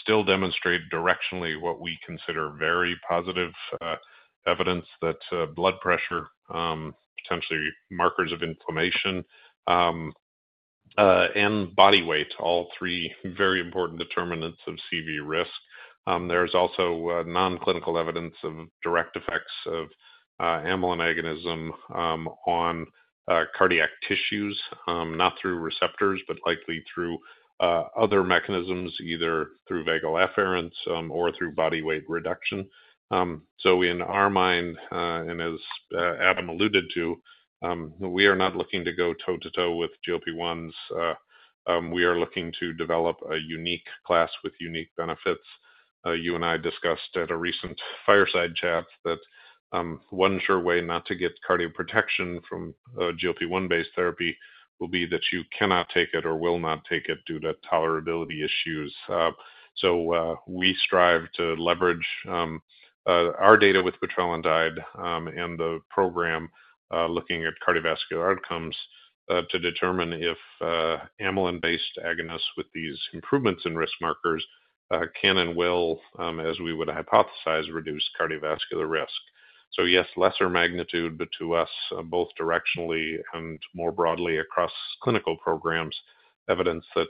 still demonstrate directionally what we consider very positive evidence that blood pressure, potentially markers of inflammation, and body weight, all three very important determinants of CV risk. There is also non-clinical evidence of direct effects of amylin agonism on cardiac tissues, not through receptors, but likely through other mechanisms, either through vagal afference or through body weight reduction. In our mind, and as Adam alluded to, we are not looking to go toe-to-toe with GLP-1s. We are looking to develop a unique class with unique benefits. You and I discussed at a recent fireside chat that one sure way not to get cardioprotection from GLP-1-based therapy will be that you cannot take it or will not take it due to tolerability issues. We strive to leverage our data with petrelintide and the program looking at cardiovascular outcomes to determine if amylin-based agonists with these improvements in risk markers can and will, as we would hypothesize, reduce cardiovascular risk. Yes, lesser magnitude, but to us, both directionally and more broadly across clinical programs, evidence that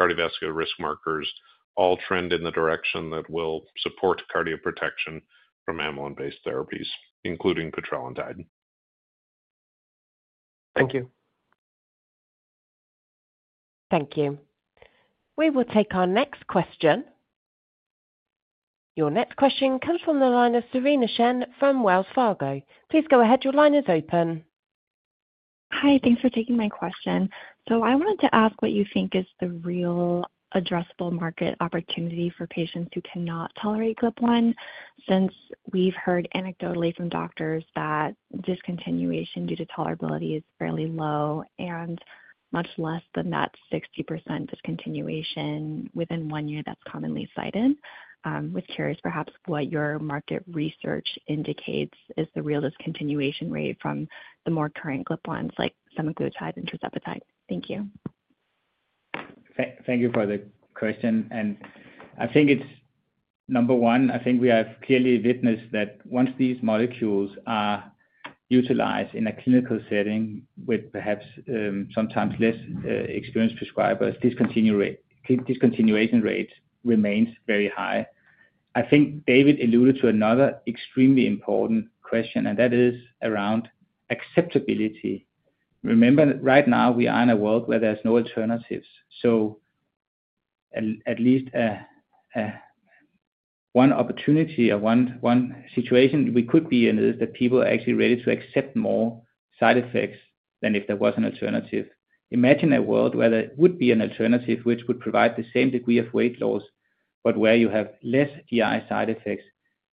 cardiovascular risk markers all trend in the direction that will support cardioprotection from amylin analog therapies, including petrelintide. Thank you. Thank you. We will take our next question. Your next question comes from the line of Cerena Chen from Wells Fargo. Please go ahead, your line is open. Hi, thanks for taking my question. I wanted to ask what you think is the real addressable market opportunity for patients who cannot tolerate GLP-1, since we've heard anecdotally from doctors that discontinuation due to tolerability is fairly low and much less than that 60% discontinuation within one year that's commonly cited. I'm curious perhaps what your market research indicates is the real discontinuation rate from the more current GLP-1s, like semaglutide and tirzepatide. Thank you. Thank you for the question. I think, number one, we have clearly witnessed that once these molecules are utilized in a clinical setting with perhaps sometimes less experienced prescribers, discontinuation rates remain very high. I think David alluded to another extremely important question, and that is around acceptability. Remember, right now we are in a world where there's no alternatives. At least one opportunity or one situation we could be in is that people are actually ready to accept more side effects than if there was an alternative. Imagine a world where there would be an alternative which would provide the same degree of weight loss, but where you have less GI side effects,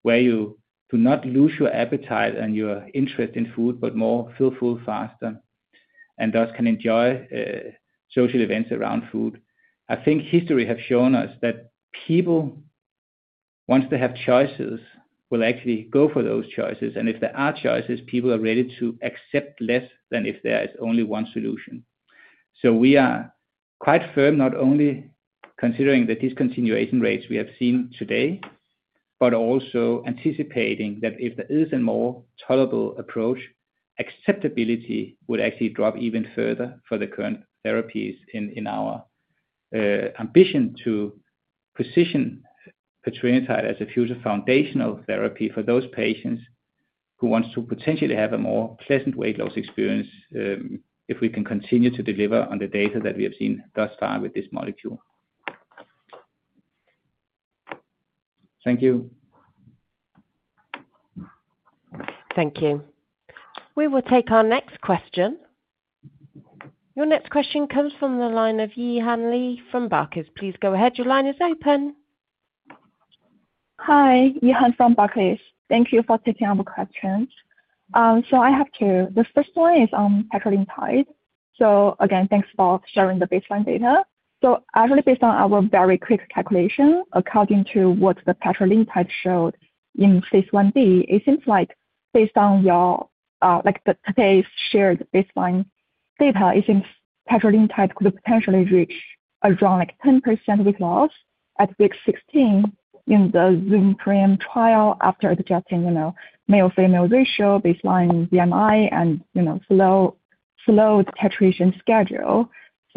where you do not lose your appetite and your interest in food, but more feel full faster, and thus can enjoy social events around food. I think history has shown us that people, once they have choices, will actually go for those choices. If there are choices, people are ready to accept less than if there is only one solution. We are quite firm, not only considering the discontinuation rates we have seen today, but also anticipating that if there is a more tolerable approach, acceptability would actually drop even further for the current therapies in our ambition to position petrelintide as a future foundational therapy for those patients who want to potentially have a more pleasant weight loss experience if we can continue to deliver on the data that we have seen thus far with this molecule. Thank you. Thank you. We will take our next question. Your next question comes from the line of Yihan Li from Barclays. Please go ahead, your line is open. Hi, Yihan from Barclays. Thank you for taking all the questions. I have two. The first one is on petrelintide. Thanks for sharing the baseline data. Actually, based on our very quick calculation, according to what the petrelintide showed in phase I-B, it seems like based on the data shared today, petrelintide could potentially reach around 10% weight loss at week 16 in the ZOOM pre-amp trial after adjusting for male-female ratio, baseline BMI, and slowing the titration schedule.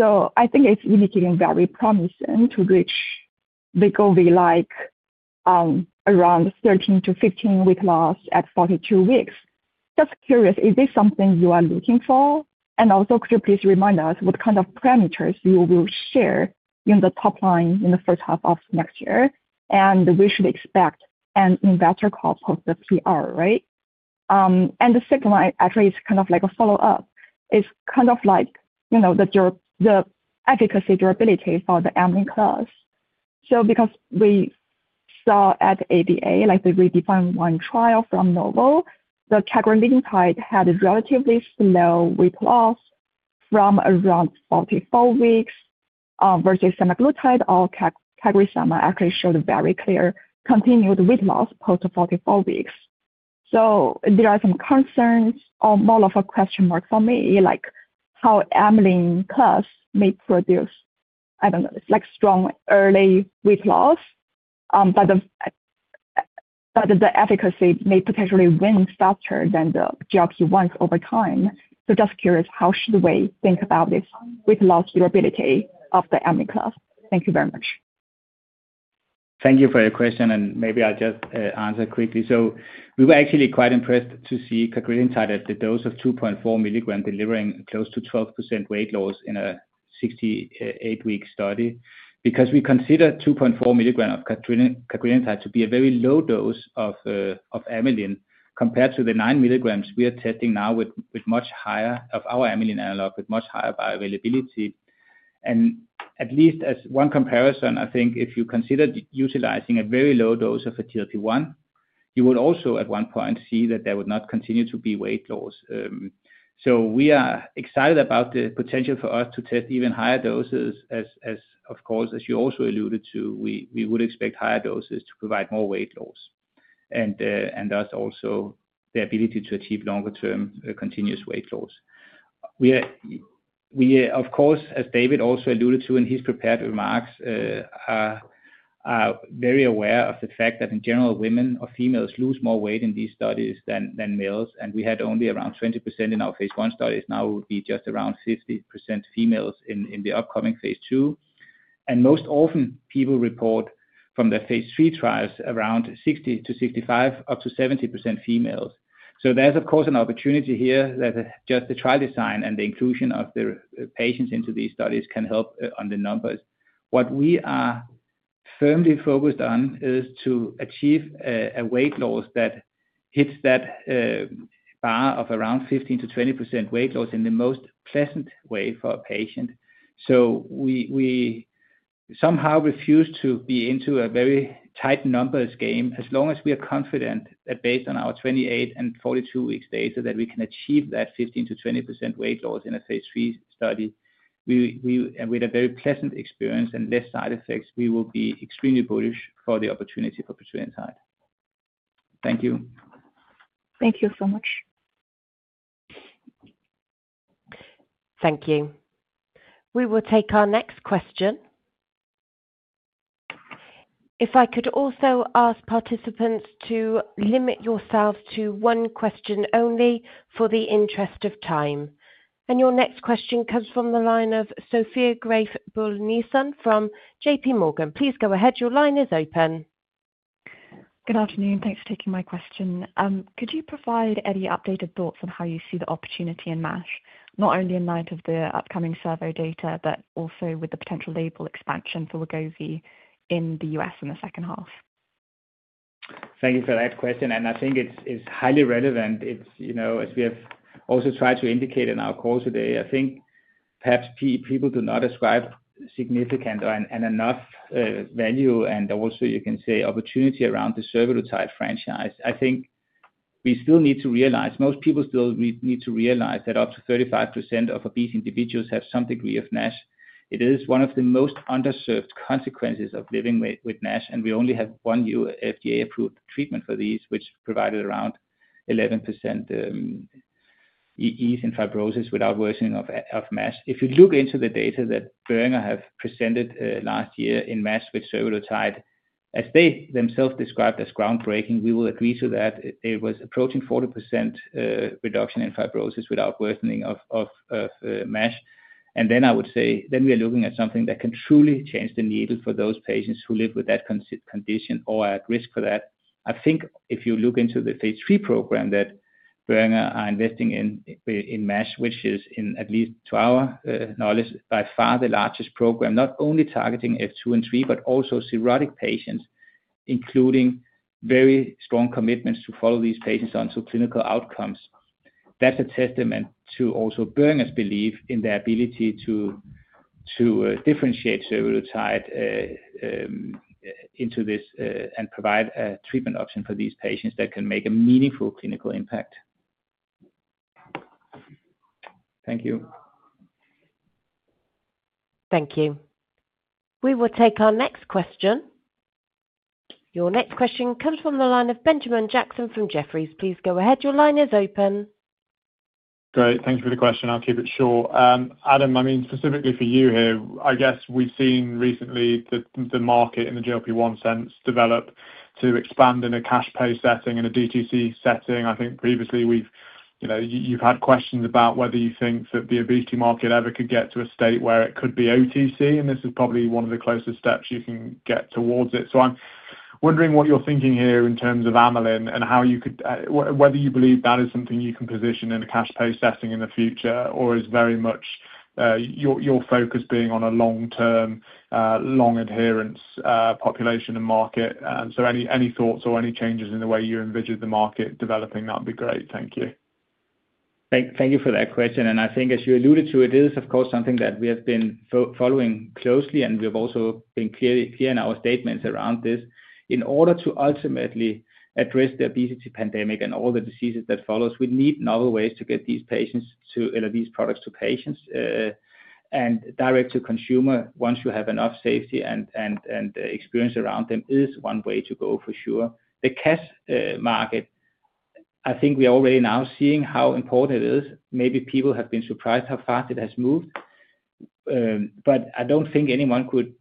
I think it's indicating very promising potential to reach weight goals we like around 13%-15% weight loss at 42 weeks. Just curious, is this something you are looking for? Also, could you please remind us what kind of parameters you will share in the top line in the first half of next year? We should expect an investor call for the PR, right? The second one is kind of a follow-up. It's about the efficacy durability for the amylin class. We saw at ADA, the REDEFINE 1 trial from Novo, the cagrilintide had a relatively slow weight loss from around 44 weeks versus semaglutide or CagriSema actually showed a very clear continued weight loss post 44 weeks. There are some concerns or more of a question mark for me, like how the amylin class may produce strong early weight loss, but the efficacy may potentially wane faster than the GLP-1s over time. Just curious, how should we think about this weight loss durability of the amylin class? Thank you very much. Thank you for your question, and maybe I'll just answer quickly. We were actually quite impressed to see petrelintide at the dose of 2.4 mg delivering close to 12% weight loss in a 68-week study because we considered 2.4 mg of petrelintide to be a very low dose of amylin compared to the 9 mg we are testing now with much higher of our amylin analog with much higher bioavailability. At least as one comparison, I think if you consider utilizing a very low dose of a GLP-1, you would also at one point see that there would not continue to be weight loss. We are excited about the potential for us to test even higher doses as, of course, as you also alluded to, we would expect higher doses to provide more weight loss and thus also the ability to achieve longer-term continuous weight loss. We, of course, as David also alluded to in his prepared remarks, are very aware of the fact that in general, women or females lose more weight in these studies than males. We had only around 20% in our phase I studies. Now it would be just around 50% females in the upcoming phase II. Most often, people report from their phase III trials around 60%-65%, up to 70% females. There is, of course, an opportunity here that just the trial design and the inclusion of the patients into these studies can help on the numbers. What we are firmly focused on is to achieve a weight loss that hits that bar of around 15%-20% weight loss in the most pleasant way for a patient. We somehow refuse to be into a very tight numbers game as long as we are confident that based on our 28-42 weeks data that we can achieve that 15%-20% weight loss in a phase III study. With a very pleasant experience and less side effects, we will be extremely bullish for the opportunity for petrelintide. Thank you. Thank you so much. Thank you. We will take our next question. If I could also ask participants to limit yourselves to one question only for the interest of time. Your next question comes from the line of Sophia Graeff Buhl-Nielsen from JPMorgan. Please go ahead, your line is open. Good afternoon, thanks for taking my question. Could you provide any updated thoughts on how you see the opportunity in MASH, not only in light of the upcoming survey data, but also with the potential label expansion for Wegovy in the U.S. in the second half? Thank you for that question. I think it's highly relevant. As we have also tried to indicate in our call today, I think perhaps people do not ascribe significant and enough value, and also you can say opportunity around the survodutide franchise. I think we still need to realize, most people still need to realize that up to 35% of obese individuals have some degree of NASH. It is one of the most underserved consequences of living with NASH, and we only have one new FDA-approved treatment for these, which provided around 11% ease in fibrosis without worsening of MASH. If you look into the data that Boehringer Ingelheim have presented last year in MASH with survodutide, as they themselves described as groundbreaking, we will agree to that. It was approaching 40% reduction in fibrosis without worsening of MASH. I would say we are looking at something that can truly change the needle for those patients who live with that condition or are at risk for that. If you look into the phase III program that Boehringer Ingelheim are investing in in MASH, which is in at least to our knowledge, by far the largest program, not only targeting F2 and F3, but also cirrhotic patients, including very strong commitments to follow these patients on to clinical outcomes. That's a testament to also Boehringer Ingelheim's belief in their ability to differentiate survodutide into this and provide a treatment option for these patients that can make a meaningful clinical impact. Thank you. Thank you. We will take our next question. Your next question comes from the line of Benjamin Jackson from Jefferies. Please go ahead, your line is open. Sorry, thanks for the question. I'll keep it short. Adam, I mean specifically for you here, I guess we've seen recently the market in the GLP-1 sense develop to expand in a cash pay setting and a DTC setting. I think previously we've, you know, you've had questions about whether you think that the obesity market ever could get to a state where it could be OTC, and this is probably one of the closest steps you can get towards it. I'm wondering what you're thinking here in terms of amylin and how you could, whether you believe that is something you can position in a cash pay setting in the future or is very much your focus being on a long-term, long adherence population and market. Any thoughts or any changes in the way you envision the market developing, that would be great. Thank you. Thank you. That question, and I think, as you alluded to, it is, of course, something that we have been following closely, and we have also been clear in our statements around this. In order to ultimately address the obesity pandemic and all the diseases that follow, we need novel ways to get these products to patients, and direct to consumer once you have enough safety and experience around them, is one way to go for sure. The cash market, I think we are already now seeing how important it is. Maybe people have been surprised how fast it has moved. I don't think anyone could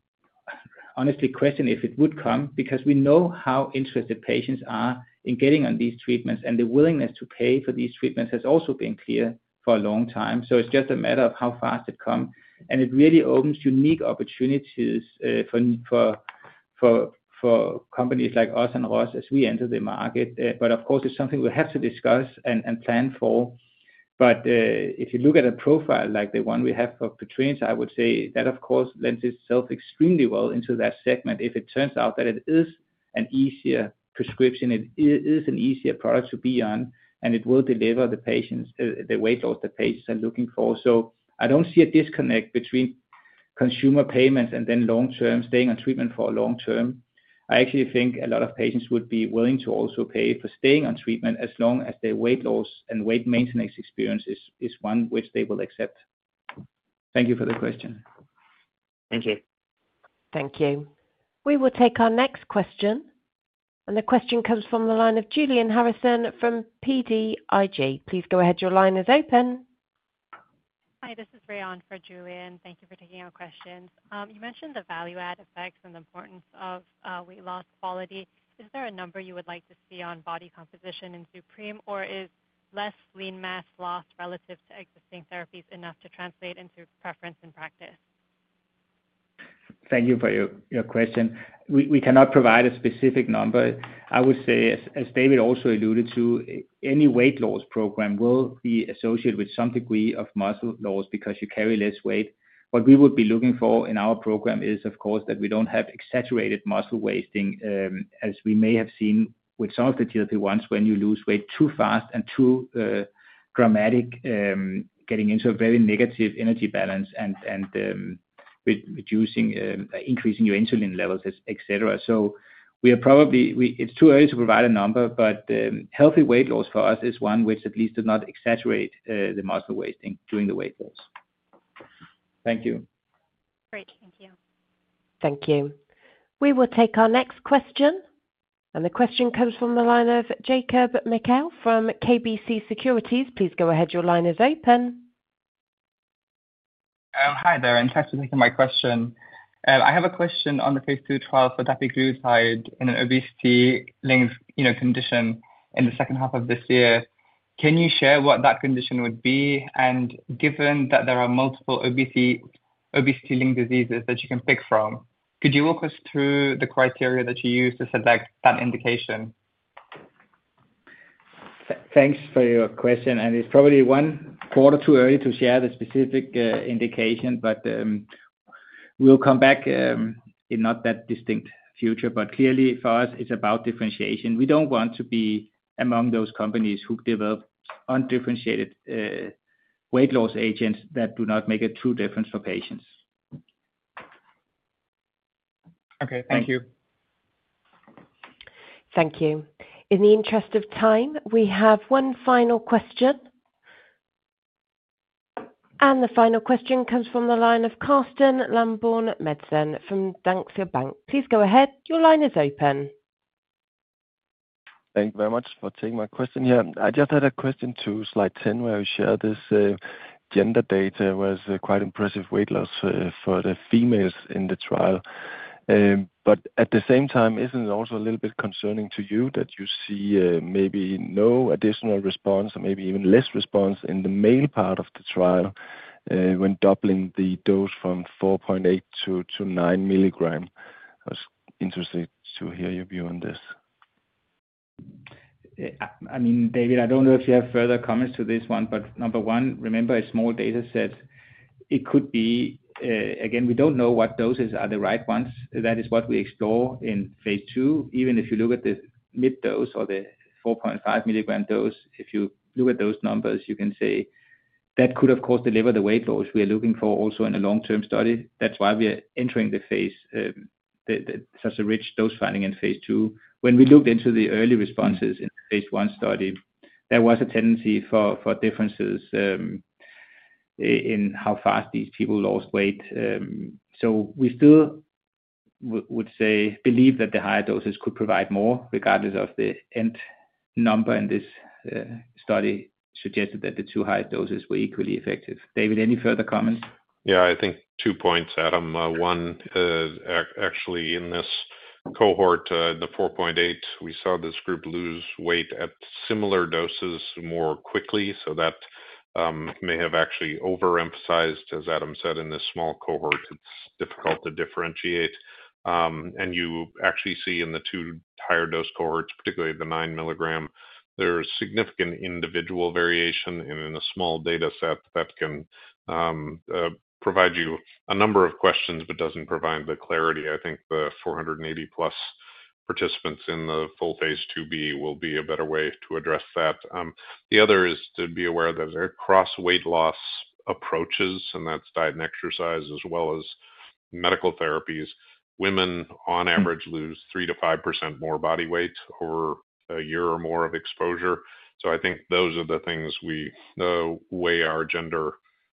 honestly question if it would come because we know how interested patients are in getting on these treatments, and the willingness to pay for these treatments has also been clear for a long time. It's just a matter of how fast it comes, and it really opens unique opportunities for companies like us and Roche as we enter the market. Of course, it's something we have to discuss and plan for. If you look at a profile like the one we have for petrelintide, I would say that, of course, lends itself extremely well into that segment if it turns out that it is an easier prescription, it is an easier product to be on, and it will deliver the weight loss that patients are looking for. I don't see a disconnect between consumer payments and then long-term staying on treatment. I actually think a lot of patients would be willing to also pay for staying on treatment as long as their weight loss and weight maintenance experience is one which they will accept. Thank you for the question. Thank you. Thank you. We will take our next question. The question comes from the line of Julian Harrison from BTIG. Please go ahead. Your line is open. Hi. This is (Rian) for Julian. Thank you for taking our questions. You mentioned the value-add effects and the importance of weight loss quality. Is there a number you would like to see on body composition in ZUPREME-1, or is less lean mass loss relative to existing therapies enough to translate into preference in practice? Thank you for your question. We cannot provide a specific number. I would say, as David also alluded to, any weight loss program will be associated with some degree of muscle loss because you carry less weight. What we would be looking for in our program is, of course, that we don't have exaggerated muscle wasting, as we may have seen with some of the GLP-1s when you lose weight too fast and too dramatic, getting into a very negative energy balance and reducing, increasing your insulin levels, etc. It is probably too early to provide a number, but healthy weight loss for us is one which at least does not exaggerate the muscle wasting during the weight loss. Thank you. Great. Thank you. Thank you. We will take our next question. The question comes from the line of Jacob Mekhael from KBC Securities. Please go ahead. Your line is open. Hi there, and thanks for taking my question. I have a question on the case study trial for dapiglutide in an obesity-linked, you know, condition in the second half of this year. Can you share what that condition would be? Given that there are multiple obesity-linked diseases that you can pick from, could you walk us through the criteria that you use to select that indication? Thanks for your question. It's probably one quarter too early to share the specific indication, but we'll come back in not that distinct future. Clearly, for us, it's about differentiation. We don't want to be among those companies who develop undifferentiated weight loss agents that do not make a true difference for patients. Okay, thank you. Thank you. In the interest of time, we have one final question. The final question comes from the line of Carsten Lønborg Madsen from Danske Bank. Please go ahead. Your line is open. Thank you very much for taking my question here. I just had a question to slide 10 where I shared this gender data was quite impressive weight loss for the females in the trial. At the same time, isn't it also a little bit concerning to you that you see maybe no additional response or maybe even less response in the male part of the trial when doubling the dose from 4.8 mg-9 mg? I was interested to hear your view on this. I mean, David, I don't know if you have further comments to this one, but number one, remember, it's a small data set. It could be, again, we don't know what doses are the right ones. That is what we explore in phase II. Even if you look at the mid-dose or the 4.5 mg dose, if you look at those numbers, you can say that could, of course, deliver the weight loss we are looking for also in a long-term study. That's why we are entering such a rich dose finding in phase II. When we looked into the early responses in the phase I study, there was a tendency for differences in how fast these people lost weight. We still would say believe that the higher doses could provide more regardless of the end number in this study suggested that the two higher doses were equally effective. David, any further comments? Yeah. I think two points, Adam. One, actually in this cohort, the 4.8 mg, we saw this group lose weight at similar doses more quickly. That may have actually overemphasized, as Adam said, in this small cohort, it's difficult to differentiate. You actually see in the two higher dose cohorts, particularly the 9 mg, there's significant individual variation in a small data set that can provide you a number of questions but doesn't provide the clarity. I think the 480+ participants in the full phase II-B will be a better way to address that. The other is to be aware that across weight loss approaches, and that's diet and exercise as well as medical therapies, women on average lose 3%-5% more body weight over a year or more of exposure. I think those are the things we weigh our gender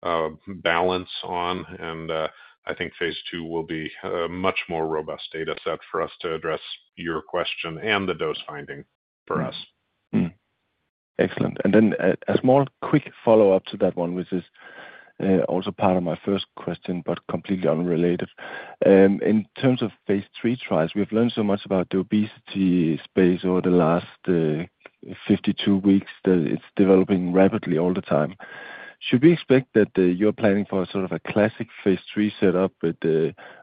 balance on. I think phase II will be a much more robust data set for us to address your question and the dose finding for us. Mm-hmm. Excellent. A small quick follow-up to that one, which is also part of my first question but completely unrelated. In terms of phase III trials, we have learned so much about the obesity space over the last 52 weeks that it's developing rapidly all the time. Should we expect that you're planning for a sort of a classic phase III setup with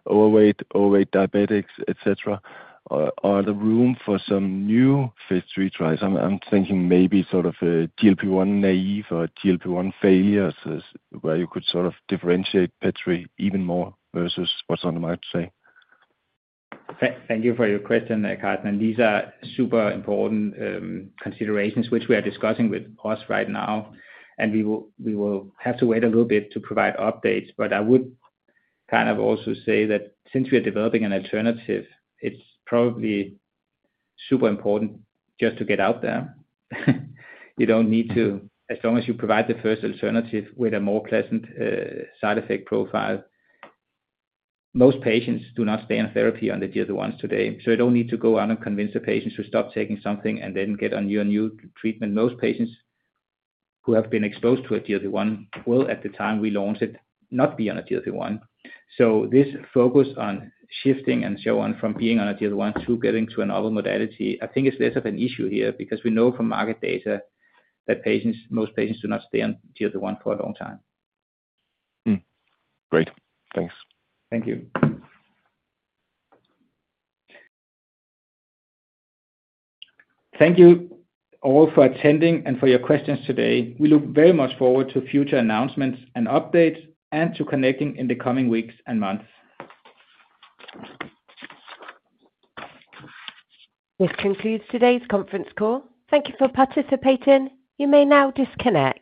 overweight, overweight diabetics, etc.? Are there room for some new phase III trials? I'm thinking maybe sort of a GLP-1 naive or GLP-1 failure, so where you could sort of differentiate petrelintide even more versus what's on the mic today. Thank you for your question, Carsten. These are super important considerations, which we are discussing with (Ross) right now. We will have to wait a little bit to provide updates. I would kind of also say that since we are developing an alternative, it's probably super important just to get out there. You don't need to, as long as you provide the first alternative with a more pleasant side effect profile. Most patients do not stay on therapy on the GLP-1s today. I don't need to go out and convince the patients to stop taking something and then get on your new treatment. Most patients who have been exposed to a GLP-1 will, at the time we launch it, not be on a GLP-1. This focus on shifting and so on from being on a GLP-1 to getting to another modality, I think it's less of an issue here because we know from market data that most patients do not stay on GLP-1 for a long time. Great. Thanks. Thank you. Thank you all for attending and for your questions today. We look very much forward to future announcements and updates, and to connecting in the coming weeks and months. This concludes today's conference call. Thank you for participating. You may now disconnect.